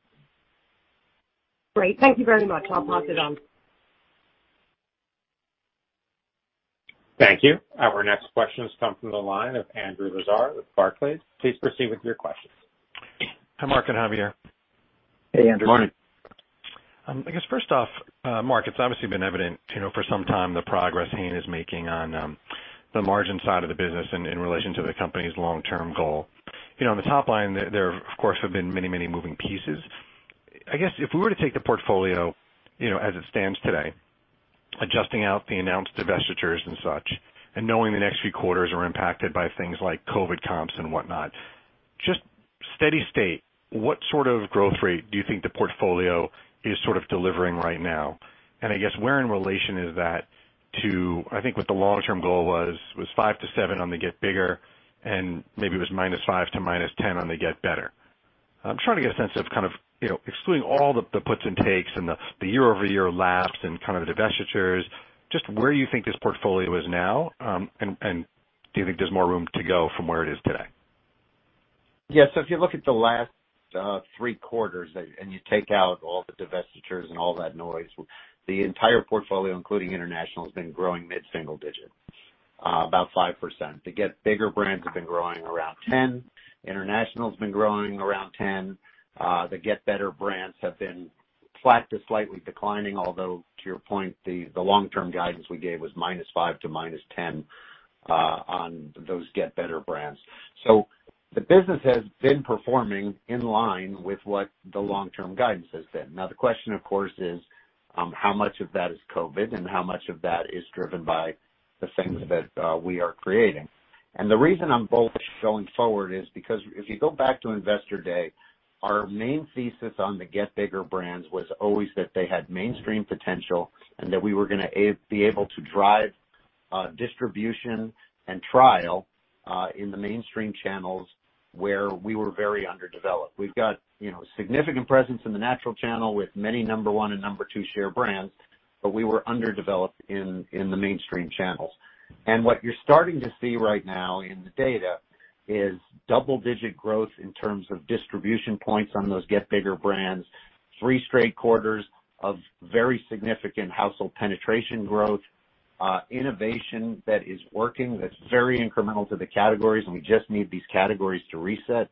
Great. Thank you very much. I'll pass it on. Thank you. Our next question comes from the line of Andrew Lazar with Barclays. Please proceed with your questions. Hi, Mark and Javier. Hey, Andrew. Morning. I guess first off, Mark, it's obviously been evident for some time the progress Hain is making on the margin side of the business in relation to the company's long-term goal. On the top line, there, of course, have been many moving pieces. I guess if we were to take the portfolio as it stands today, adjusting out the announced divestitures and such, and knowing the next few quarters are impacted by things like COVID comps and whatnot. Just steady state, what sort of growth rate do you think the portfolio is sort of delivering right now? And I guess where in relation is that to, I think what the long term goal was 5% to 7% on the Get Bigger and maybe it was -5% to -10% on the Get Better? I'm trying to get a sense of kind of excluding all the puts and takes and the year-over-year lapsed and kind of the divestitures, just where you think this portfolio is now, and do you think there's more room to go from where it is today? So if you look at the last three quarters and you take out all the divestitures and all that noise, the entire portfolio, including international, has been growing mid-single digit, about 5%. The Get Bigger brands have been growing around 10%. International's been growing around 10%. The Get Better brands have been flat to slightly declining, although to your point, the long-term guidance we gave was -5% to -10% on those Get Better brands. The business has been performing in line with what the long-term guidance has been. Now, the question, of course, is how much of that is COVID and how much of that is driven by the things that we are creating. The reason I'm bullish going forward is because if you go back to Investor Day, our main thesis on the Get Bigger brands was always that they had mainstream potential and that we were going to be able to drive distribution and trial in the mainstream channels where we were very underdeveloped. We've got significant presence in the natural channel with many number one and number two share brands, but we were underdeveloped in the mainstream channels. What you're starting to see right now in the data is double-digit growth in terms of distribution points on those Get Bigger brands, three straight quarters of very significant household penetration growth, innovation that is working that's very incremental to the categories, and we just need these categories to reset.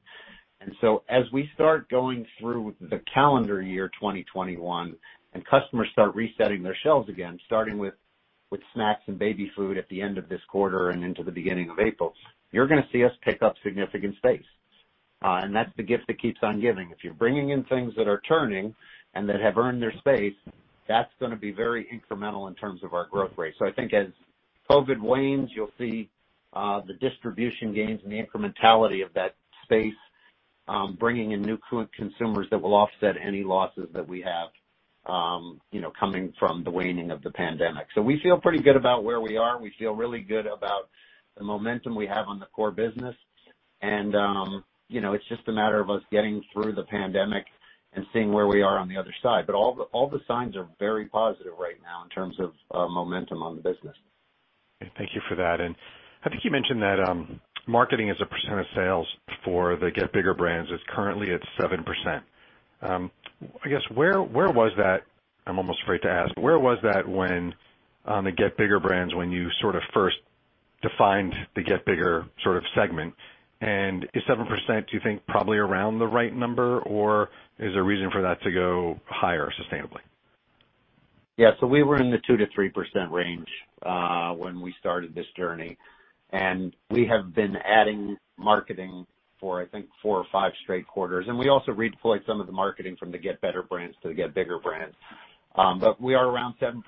As we start going through the calendar year 2021, and customers start resetting their shelves again, starting with snacks and baby food at the end of this quarter and into the beginning of April, you're going to see us pick up significant space. That's the gift that keeps on giving. If you're bringing in things that are turning and that have earned their space, that's going to be very incremental in terms of our growth rate. I think as COVID wanes, you'll see the distribution gains and the incrementality of that space, bringing in new consumers that will offset any losses that we have coming from the waning of the pandemic. We feel pretty good about where we are, and we feel really good about the momentum we have on the core business. It's just a matter of us getting through the pandemic and seeing where we are on the other side. All the signs are very positive right now in terms of momentum on the business. Thank you for that. I think you mentioned that marketing as a percent of sales for the Get Bigger brands is currently at 7%. I guess, where was that, I'm almost afraid to ask, where was that on the Get Bigger brands when you sort of first defined the Get Bigger sort of segment? Is 7%, do you think probably around the right number, or is there reason for that to go higher sustainably? Yeah. We were in the 2%-3% range when we started this journey. We have been adding marketing for I think four or five straight quarters. We also redeployed some of the marketing from the Get Better brands to the Get Bigger brands. We are around 7%.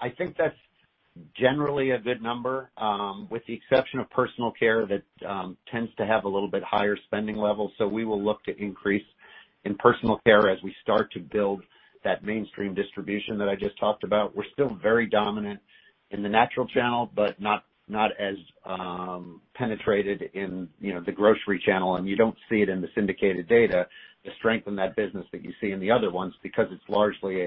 I think that's generally a good number, with the exception of personal care that tends to have a little bit higher spending levels. We will look to increase in personal care as we start to build that mainstream distribution that I just talked about. We're still very dominant in the natural channel, but not as penetrated in the grocery channel, and you don't see it in the syndicated data, the strength in that business that you see in the other ones because it's largely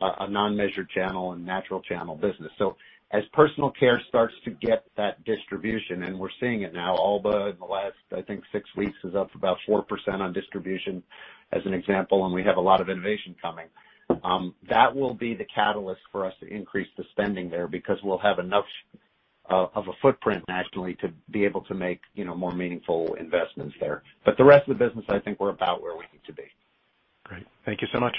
a non-measured channel and natural channel business. As personal care starts to get that distribution, and we're seeing it now, Alba in the last, I think six weeks, is up about 4% on distribution as an example, and we have a lot of innovation coming. That will be the catalyst for us to increase the spending there because we'll have enough of a footprint nationally to be able to make more meaningful investments there. The rest of the business, I think we're about where we need to be. Great. Thank you so much.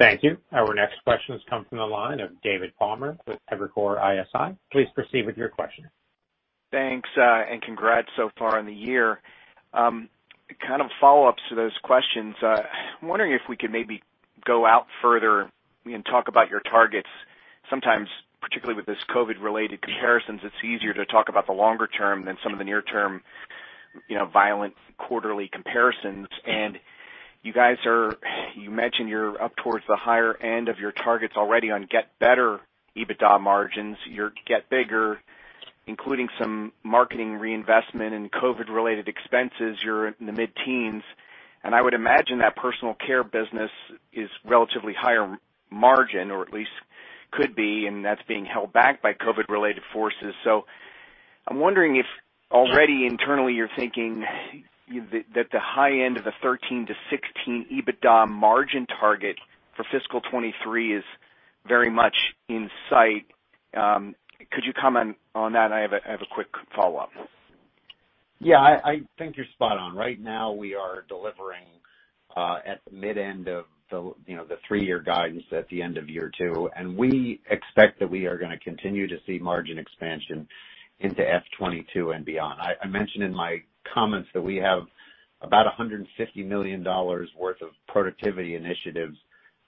Yep. Thank you. Our next question comes from the line of David Palmer with Evercore ISI. Please proceed with your question. Thanks, and congrats so far on the year. To kind of follow-ups to those questions, I'm wondering if we could maybe go out further and talk about your targets. Sometimes, particularly with this COVID-related comparisons, it's easier to talk about the longer term than some of the near term violent quarterly comparisons. You mentioned you're up towards the higher end of your targets already on Get Better EBITDA margins. Your Get Bigger, including some marketing reinvestment and COVID-related expenses, you're in the mid-teens, and I would imagine that personal care business is relatively higher margin, or at least could be, and that's being held back by COVID-related forces. I'm wondering if already internally you're thinking that the high end of the 13%-16% EBITDA margin target for FY 2023 is very much in sight. Could you comment on that? I have a quick follow-up. Yeah, I think you're spot on. Right now, we are delivering at the mid end of the three-year guidance at the end of year two, and we expect that we are gonna continue to see margin expansion into FY 2022 and beyond. I mentioned in my comments that we have about $150 million worth of productivity initiatives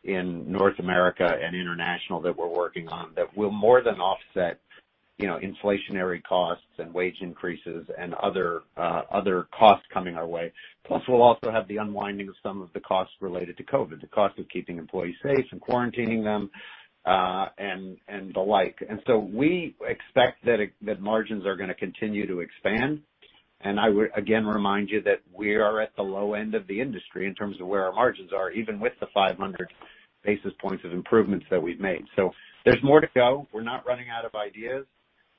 in North America and international that we're working on that will more than offset inflationary costs and wage increases and other costs coming our way. Plus, we'll also have the unwinding of some of the costs related to COVID-19, the cost of keeping employees safe and quarantining them, and the like. We expect that margins are going to continue to expand, and I would again remind you that we are at the low end of the industry in terms of where our margins are, even with the 500 basis points of improvements that we've made. There's more to go. We're not running out of ideas.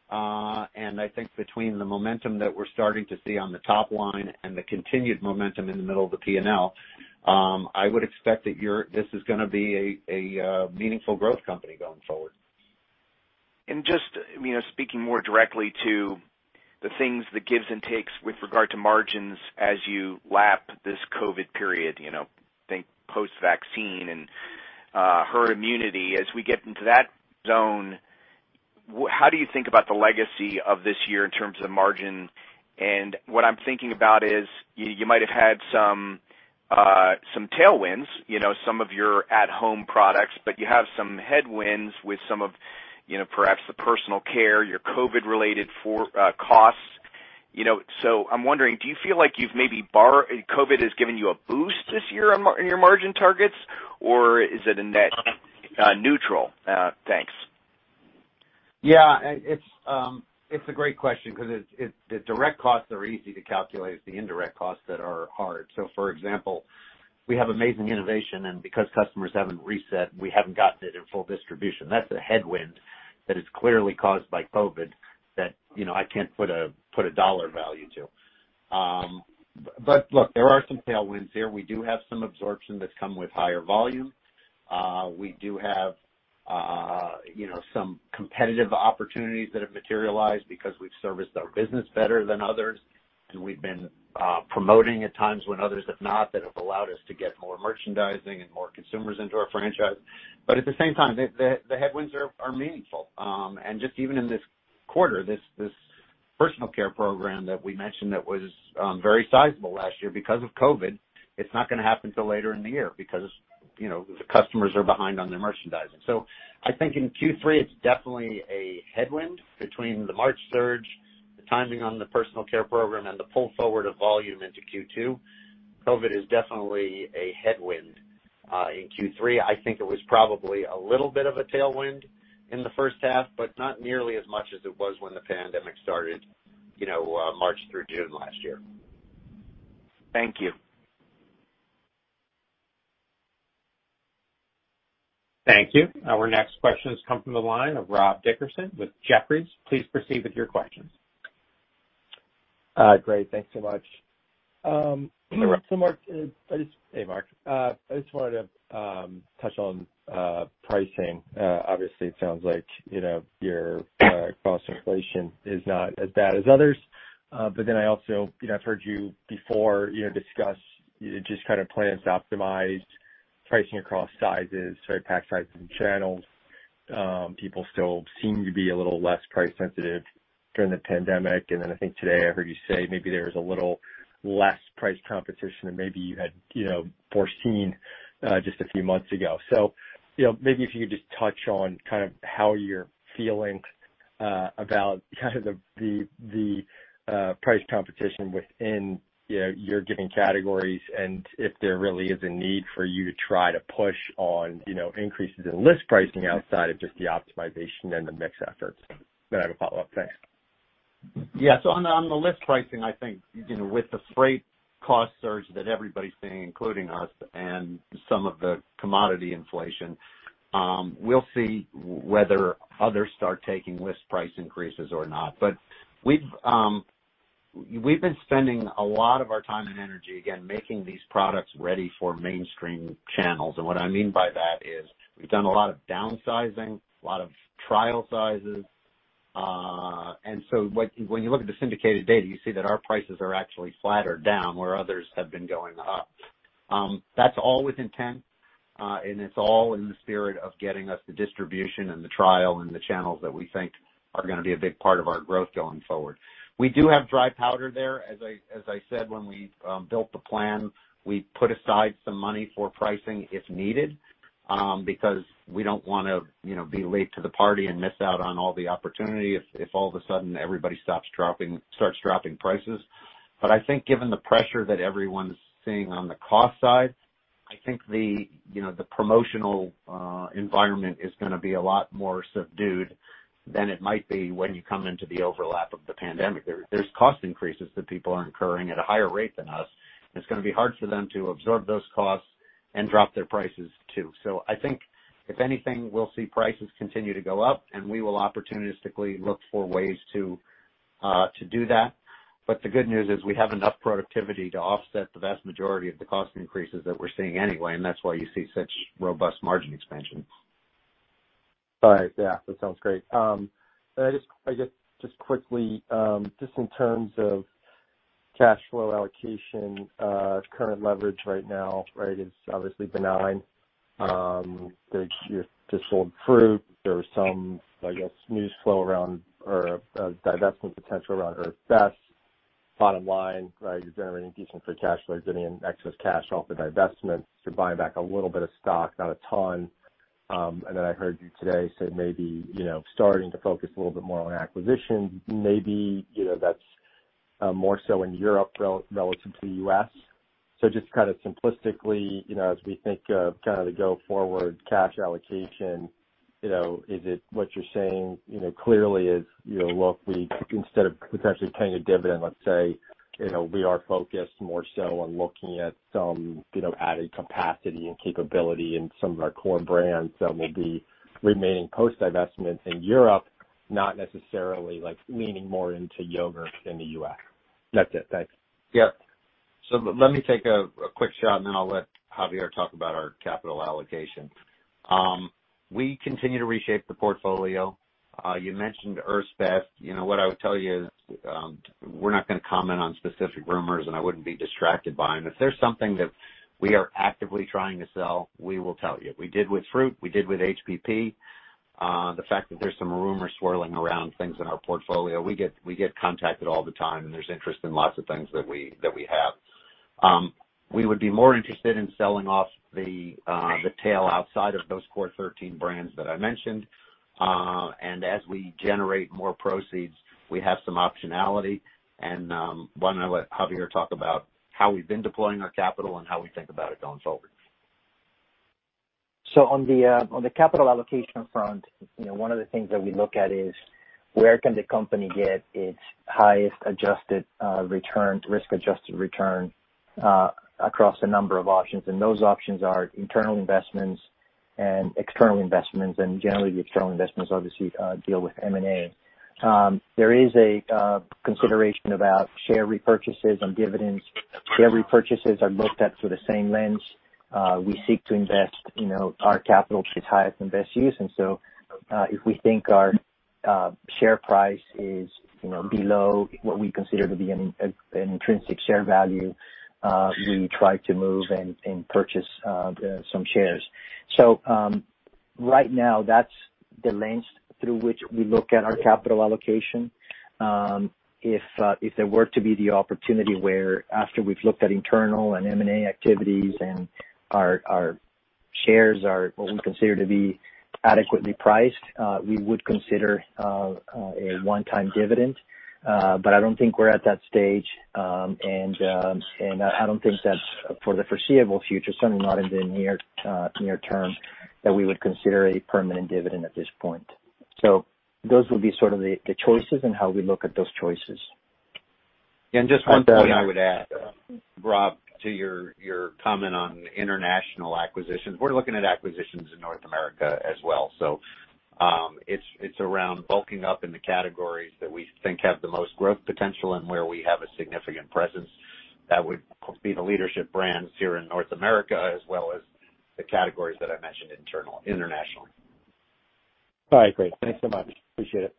I think between the momentum that we're starting to see on the top line and the continued momentum in the middle of the P&L, I would expect that this is going to be a meaningful growth company going forward. Just speaking more directly to the things, the gives and takes with regard to margins as you lap this COVID period, think post-vaccine and herd immunity. As we get into that zone, how do you think about the legacy of this year in terms of margin? What I'm thinking about is you might have had some tailwinds, some of your at-home products, but you have some headwinds with some of perhaps the personal care, your COVID-related costs. I'm wondering, do you feel like COVID has given you a boost this year on your margin targets, or is it a net neutral? Thanks. It's a great question because the direct costs are easy to calculate. It's the indirect costs that are hard. For example, we have amazing innovation, and because customers haven't reset, we haven't gotten it in full distribution. That's a headwind that is clearly caused by COVID that I can't put a dollar value to. Look, there are some tailwinds here. We do have some absorption that's come with higher volume. We do have some competitive opportunities that have materialized because we've serviced our business better than others, and we've been promoting at times when others have not, that have allowed us to get more merchandising and more consumers into our franchise. At the same time, the headwinds are meaningful. Just even in this quarter, this personal care program that we mentioned that was very sizable last year, because of COVID, it's not going to happen till later in the year because the customers are behind on their merchandising. I think in Q3, it's definitely a headwind between the March surge, the timing on the personal care program, and the pull forward of volume into Q2. COVID is definitely a headwind in Q3. I think it was probably a little bit of a tailwind in the first half, but not nearly as much as it was when the pandemic started March through June last year. Thank you. Thank you. Our next questions come from the line of Rob Dickerson with Jefferies. Please proceed with your questions. Great. Thanks so much. Hey, Mark. I just wanted to touch on pricing. Obviously, it sounds like your cost inflation is not as bad as others. I also have heard you before discuss just kind of plans to optimize pricing across sizes, sorry, pack sizes and channels. People still seem to be a little less price sensitive during the pandemic. I think today I heard you say maybe there's a little less price competition than maybe you had foreseen just a few months ago. Maybe if you could just touch on kind of how you're feeling about kind of the price competition within your given categories and if there really is a need for you to try to push on increases in list pricing outside of just the optimization and the mix efforts. I have a follow-up. Thanks. On the list pricing, I think with the freight cost surge that everybody's seeing, including us, and some of the commodity inflation, we'll see whether others start taking list price increases or not. We've been spending a lot of our time and energy, again, making these products ready for mainstream channels. What I mean by that is we've done a lot of downsizing, a lot of trial sizes. When you look at the syndicated data, you see that our prices are actually flat or down, where others have been going up. That's all with intent, and it's all in the spirit of getting us the distribution and the trial and the channels that we think are going to be a big part of our growth going forward. We do have dry powder there. As I said, when we built the plan, we put aside some money for pricing if needed, because we don't want to be late to the party and miss out on all the opportunity if all of a sudden everybody starts dropping prices. I think given the pressure that everyone's seeing on the cost side, I think the promotional environment is going to be a lot more subdued than it might be when you come into the overlap of the pandemic. There's cost increases that people are incurring at a higher rate than us, and it's going to be hard for them to absorb those costs and drop their prices, too. I think if anything, we'll see prices continue to go up and we will opportunistically look for ways to do that. The good news is we have enough productivity to offset the vast majority of the cost increases that we're seeing anyway, and that's why you see such robust margin expansion. All right. Yeah. That sounds great. Just quickly, just in terms of cash flow allocation, current leverage right now, right, is obviously benign. You just sold Fruit. There was some, I guess, news flow around, or a divestment potential around Earth's Best. Bottom line, right, you're generating decent free cash flow, you're getting excess cash off the divestments. You're buying back a little bit of stock, not a ton. Then I heard you today say maybe starting to focus a little bit more on acquisitions, maybe that's more so in Europe relative to the U.S. Just kind of simplistically, as we think of kind of the go forward cash allocation, is it what you're saying clearly is look, instead of potentially paying a dividend, let's say, we are focused more so on looking at some added capacity and capability in some of our core brands that may be remaining post divestments in Europe, not necessarily like leaning more into yogurt in the U.S.? That's it. Thanks. Yep. Let me take a quick shot, and then I'll let Javier talk about our capital allocation. We continue to reshape the portfolio. You mentioned Earth's Best. What I would tell you is we're not going to comment on specific rumors, and I wouldn't be distracted by them. If there's something that we are actively trying to sell, we will tell you. We did with Fruit, we did with HPP. The fact that there's some rumors swirling around things in our portfolio, we get contacted all the time, and there's interest in lots of things that we have. We would be more interested in selling off the tail outside of those core 13 brands that I mentioned. As we generate more proceeds, we have some optionality. Why don't I let Javier talk about how we've been deploying our capital and how we think about it going forward. On the capital allocation front, one of the things that we look at is where can the company get its highest risk-adjusted return across a number of options, and those options are internal investments and external investments, and generally the external investments obviously deal with M&A. There is a consideration about share repurchases and dividends. Share repurchases are looked at through the same lens. We seek to invest our capital to its highest and best use. If we think our share price is below what we consider to be an intrinsic share value, we try to move and purchase some shares. Right now, that's the lens through which we look at our capital allocation. If there were to be the opportunity where after we've looked at internal and M&A activities and our shares are what we consider to be adequately priced, we would consider a one-time dividend. I don't think we're at that stage, and I don't think that for the foreseeable future, certainly not in the near term, that we would consider a permanent dividend at this point. Those would be sort of the choices and how we look at those choices. Just one point I would add, Rob, to your comment on international acquisitions. We're looking at acquisitions in North America as well. It's around bulking up in the categories that we think have the most growth potential and where we have a significant presence that would be the leadership brands here in North America as well as the categories that I mentioned internationally. All right, great. Thanks so much. Appreciate it.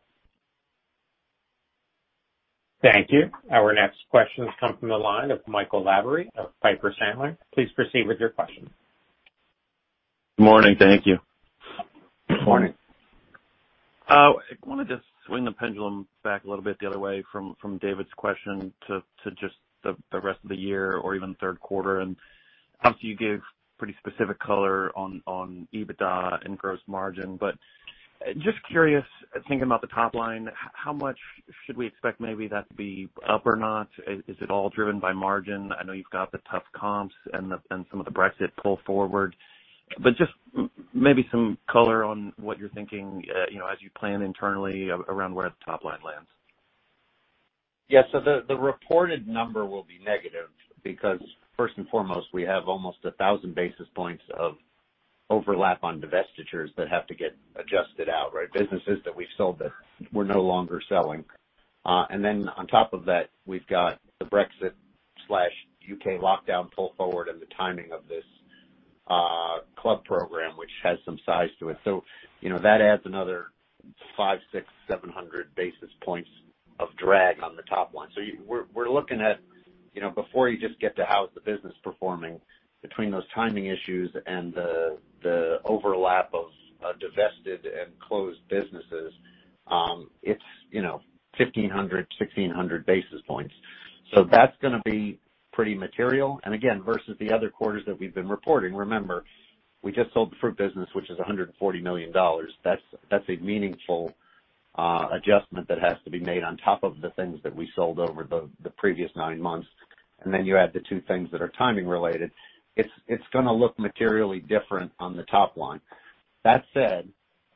Thank you. Our next question comes from the line of Michael Lavery of Piper Sandler. Please proceed with your question. Morning. Thank you. Morning. I want to just swing the pendulum back a little bit the other way from David's question to just the rest of the year or even third quarter. Obviously, you gave pretty specific color on EBITDA and gross margin. Just curious, thinking about the top line, how much should we expect maybe that to be up or not? Is it all driven by margin? I know you've got the tough comps and some of the Brexit pull forward, but just maybe some color on what you're thinking as you plan internally around where the top line lands. The reported number will be negative because first and foremost, we have almost 1,000 basis points of overlap on divestitures that have to get adjusted out, right? Businesses that we sold that we're no longer selling. On top of that, we've got the Brexit/U.K. lockdown pull forward and the timing of this club program, which has some size to it. That adds another 500, 600, 700 basis points of drag on the top line. We're looking at before you just get to how is the business performing between those timing issues and the overlap of divested and closed businesses, it's 1,500, 1,600 basis points. That's going to be pretty material. Again, versus the other quarters that we've been reporting, remember, we just sold the Fruit business, which is $140 million. That's a meaningful adjustment that has to be made on top of the things that we sold over the previous nine months. You add the two things that are timing related. It's going to look materially different on the top line. That said,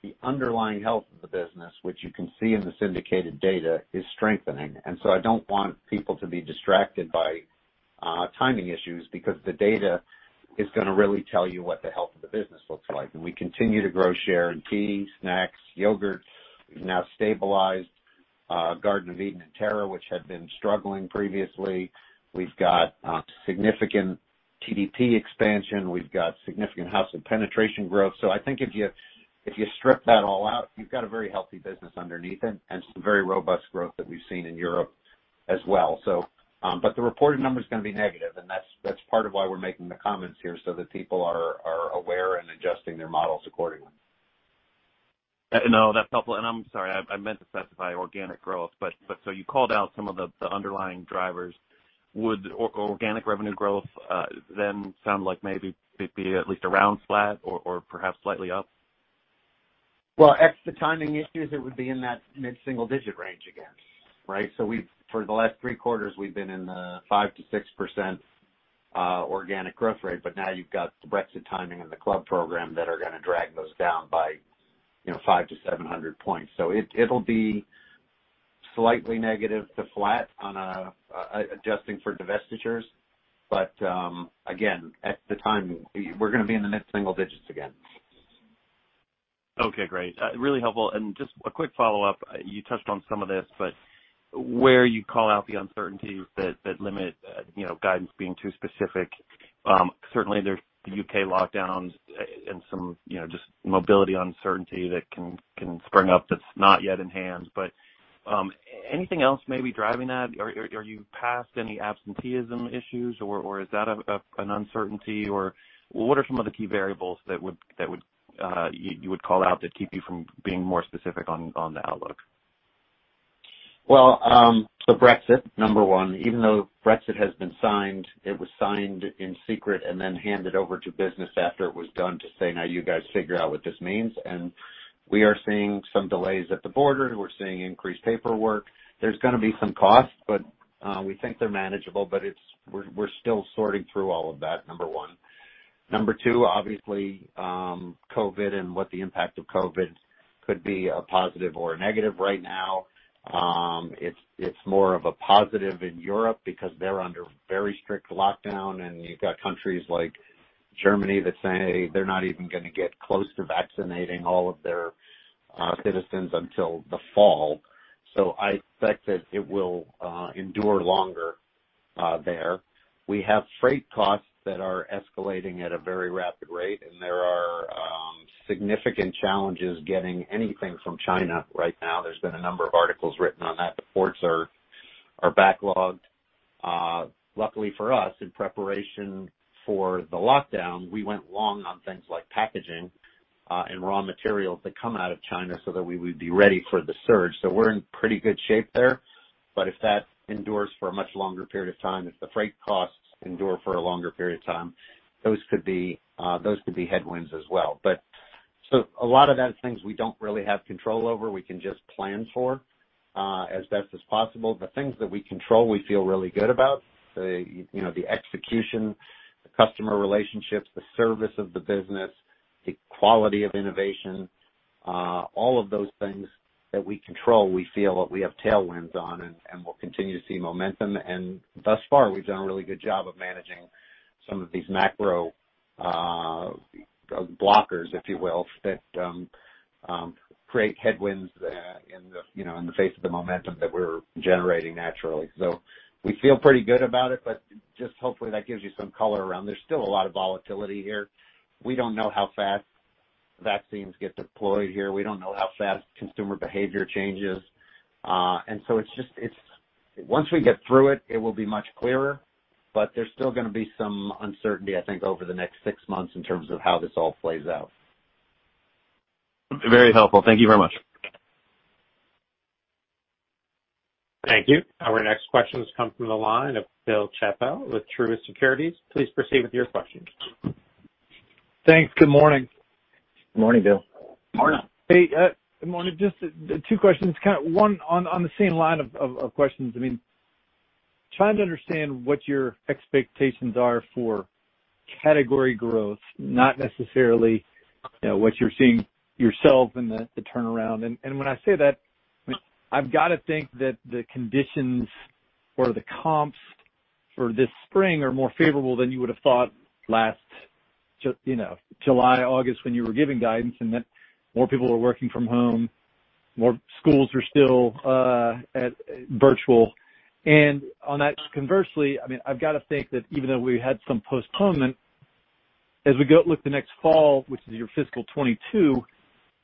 the underlying health of the business, which you can see in the syndicated data, is strengthening. I don't want people to be distracted by timing issues because the data is going to really tell you what the health of the business looks like. We continue to grow share in tea, snacks, yogurt. We've now stabilized Garden of Eatin' and Terra, which had been struggling previously. We've got significant TDP expansion. We've got significant household penetration growth. I think if you strip that all out, you've got a very healthy business underneath it and some very robust growth that we've seen in Europe as well. The reported number is going to be negative, and that's part of why we're making the comments here so that people are aware and adjusting their models accordingly. No, that's helpful. I'm sorry, I meant to specify organic growth, but you called out some of the underlying drivers. Would organic revenue growth then sound like maybe it'd be at least around flat or perhaps slightly up? Well, ex the timing issues, it would be in that mid-single digit range again, right? For the last three quarters, we've been in the 5%-6% organic growth rate, but now you've got the Brexit timing and the club program that are going to drag those down by 500-700 points. It'll be slightly negative to flat on adjusting for divestitures. Again, ex the timing, we're going to be in the mid-single digits again. Okay, great. Really helpful. Just a quick follow-up. You touched on some of this, but where you call out the uncertainties that limit guidance being too specific. Certainly there's the U.K. lockdowns and some just mobility uncertainty that can spring up that's not yet in hand. Anything else maybe driving that? Are you past any absenteeism issues, or is that an uncertainty, or what are some of the key variables that you would call out that keep you from being more specific on the outlook? Brexit, number one. Even though Brexit has been signed, it was signed in secret and then handed over to business after it was done to say, "Now you guys figure out what this means." We are seeing some delays at the border. We're seeing increased paperwork. There's going to be some costs, but we think they're manageable. We're still sorting through all of that, number one. Number two, obviously, COVID and what the impact of COVID could be a positive or a negative right now. It's more of a positive in Europe because they're under very strict lockdown, and you've got countries like Germany that say they're not even going to get close to vaccinating all of their citizens until the fall. I expect that it will endure longer there. We have freight costs that are escalating at a very rapid rate. There are significant challenges getting anything from China right now. There's been a number of articles written on that. The ports are backlogged. Luckily for us, in preparation for the lockdown, we went long on things like packaging and raw materials that come out of China so that we would be ready for the surge. We're in pretty good shape there. If that endures for a much longer period of time, if the freight costs endure for a longer period of time, those could be headwinds as well. A lot of that is things we don't really have control over. We can just plan for as best as possible. The things that we control, we feel really good about. The execution, the customer relationships, the service of the business, the quality of innovation. All of those things that we control, we feel that we have tailwinds on and we'll continue to see momentum. Thus far, we've done a really good job of managing some of these macro blockers, if you will, that create headwinds in the face of the momentum that we're generating naturally. We feel pretty good about it, but just hopefully that gives you some color around. There's still a lot of volatility here. We don't know how fast vaccines get deployed here. We don't know how fast consumer behavior changes. Once we get through it will be much clearer, but there's still going to be some uncertainty, I think, over the next six months in terms of how this all plays out. Very helpful. Thank you very much. Thank you. Our next question has come from the line of Bill Chappell with Truist Securities. Please proceed with your questions. Thanks. Good morning. Morning, Bill. Morning. Hey, good morning. Just two questions. One, on the same line of questions. I'm trying to understand what your expectations are for category growth, not necessarily what you're seeing yourself in the turnaround. I've got to think that the conditions for the comps for this spring are more favorable than you would have thought last July, August, when you were giving guidance, and that more people are working from home, more schools are still at virtual. On that, conversely, I've got to think that even though we had some postponement, as we look the next fall, which is your fiscal 2022,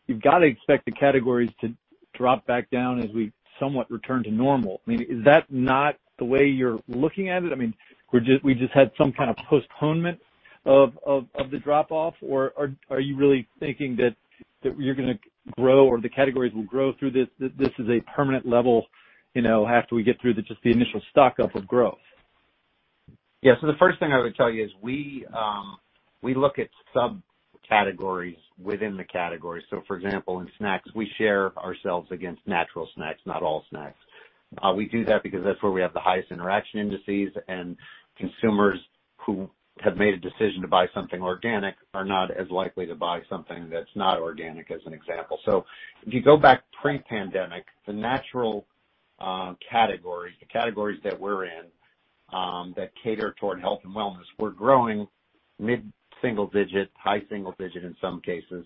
you've got to expect the categories to drop back down as we somewhat return to normal. Is that not the way you're looking at it? We just had some kind of postponement of the drop-off, or are you really thinking that you're going to grow or the categories will grow through this, that this is a permanent level after we get through just the initial stock-up of growth? Yeah. The first thing I would tell you is we look at subcategories within the category. For example, in snacks, we share ourselves against natural snacks, not all snacks. We do that because that's where we have the highest interaction indices, and consumers who have made a decision to buy something organic are not as likely to buy something that's not organic, as an example. If you go back pre-pandemic, the natural category, the categories that we're in that cater toward health and wellness were growing mid-single digit, high single digit in some cases.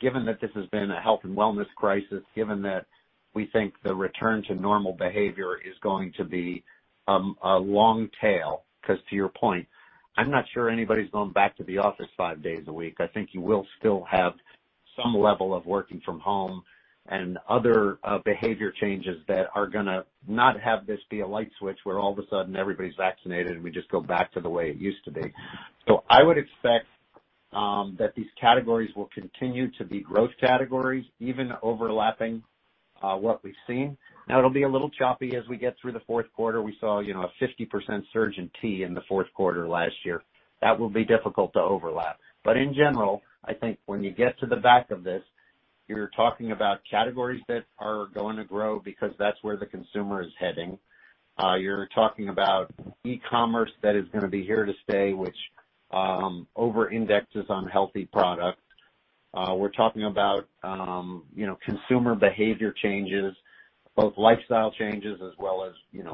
Given that this has been a health and wellness crisis, given that we think the return to normal behavior is going to be a long tail, because to your point, I'm not sure anybody's going back to the office five days a week. I think you will still have some level of working from home and other behavior changes that are going to not have this be a light switch where all of a sudden everybody's vaccinated and we just go back to the way it used to be. I would expect that these categories will continue to be growth categories, even overlapping what we've seen. Now, it'll be a little choppy as we get through the fourth quarter. We saw a 50% surge in tea in the fourth quarter last year. That will be difficult to overlap. In general, I think when you get to the back of this, you're talking about categories that are going to grow because that's where the consumer is heading. You're talking about e-commerce that is going to be here to stay, which over-indexes on healthy products. We're talking about consumer behavior changes, both lifestyle changes as well as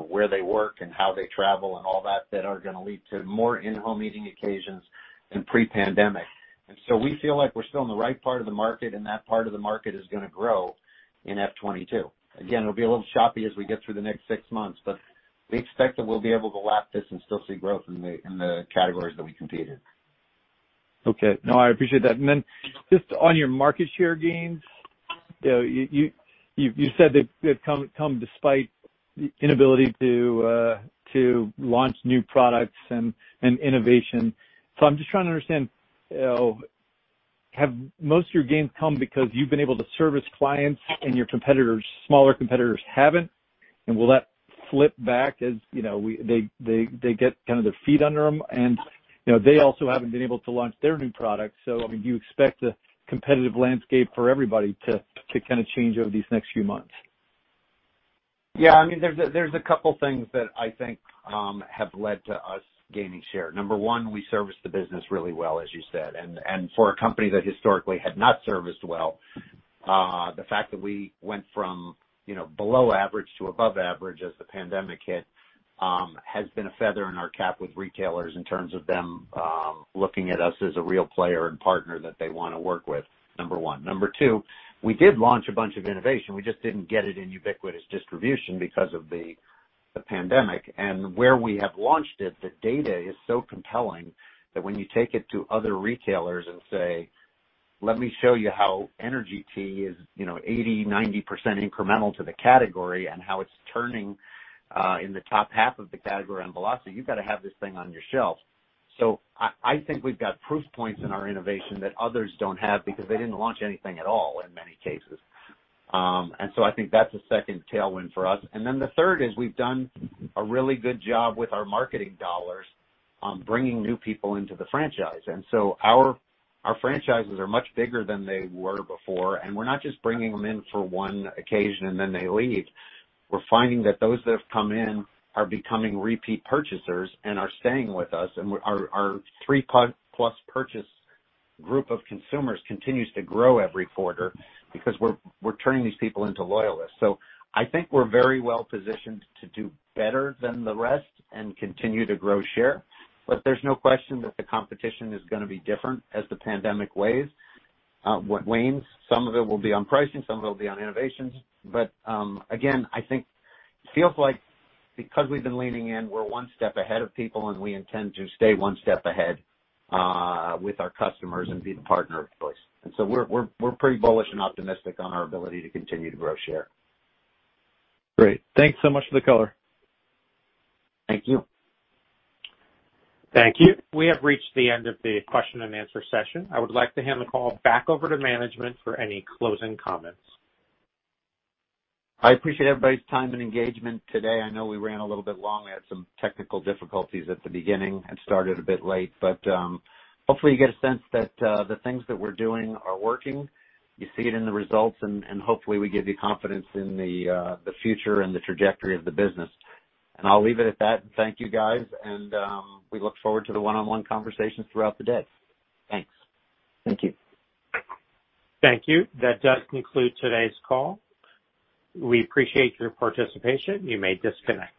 where they work and how they travel and all that are going to lead to more in-home eating occasions than pre-pandemic. We feel like we're still in the right part of the market, and that part of the market is going to grow in FY 2022. Again, it'll be a little choppy as we get through the next six months, but we expect that we'll be able to lap this and still see growth in the categories that we compete in. Okay. No, I appreciate that. Then just on your market share gains, you said they've come despite the inability to launch new products and innovation. I'm just trying to understand. Have most of your gains come because you've been able to service clients and your smaller competitors haven't? Will that flip back as they get their feet under them and, they also haven't been able to launch their new product. Do you expect the competitive landscape for everybody to change over these next few months? Yeah, there's a couple things that I think have led to us gaining share. Number one, we service the business really well, as you said. For a company that historically had not serviced well, the fact that we went from below average to above average as the pandemic hit, has been a feather in our cap with retailers in terms of them looking at us as a real player and partner that they want to work with, number one. Number two, we did launch a bunch of innovation. We just didn't get it in ubiquitous distribution because of the pandemic. Where we have launched it, the data is so compelling that when you take it to other retailers and say, "Let me show you how energy tea is 80, 90% incremental to the category and how it's turning in the top half of the category on velocity, you've got to have this thing on your shelf." I think we've got proof points in our innovation that others don't have because they didn't launch anything at all, in many cases. I think that's a second tailwind for us. The third is we've done a really good job with our marketing dollars on bringing new people into the franchise. Our franchises are much bigger than they were before, and we're not just bringing them in for one occasion and then they leave. We're finding that those that have come in are becoming repeat purchasers and are staying with us, and our three-plus purchase group of consumers continues to grow every quarter because we're turning these people into loyalists. I think we're very well positioned to do better than the rest and continue to grow share. There's no question that the competition is going to be different as the pandemic wanes. Some of it will be on pricing, some of it will be on innovations. Again, I think it feels like because we've been leaning in, we're one step ahead of people, and we intend to stay one step ahead with our customers and be the partner of choice. We're pretty bullish and optimistic on our ability to continue to grow share. Great. Thanks so much for the color. Thank you. Thank you. We have reached the end of the question and answer session. I would like to hand the call back over to management for any closing comments. I appreciate everybody's time and engagement today. I know we ran a little bit long. We had some technical difficulties at the beginning and started a bit late. Hopefully you get a sense that the things that we're doing are working. You see it in the results, and hopefully we give you confidence in the future and the trajectory of the business. I'll leave it at that. Thank you, guys, and we look forward to the one-on-one conversations throughout the day. Thanks. Thank you. Thank you. That does conclude today's call. We appreciate your participation. You may disconnect.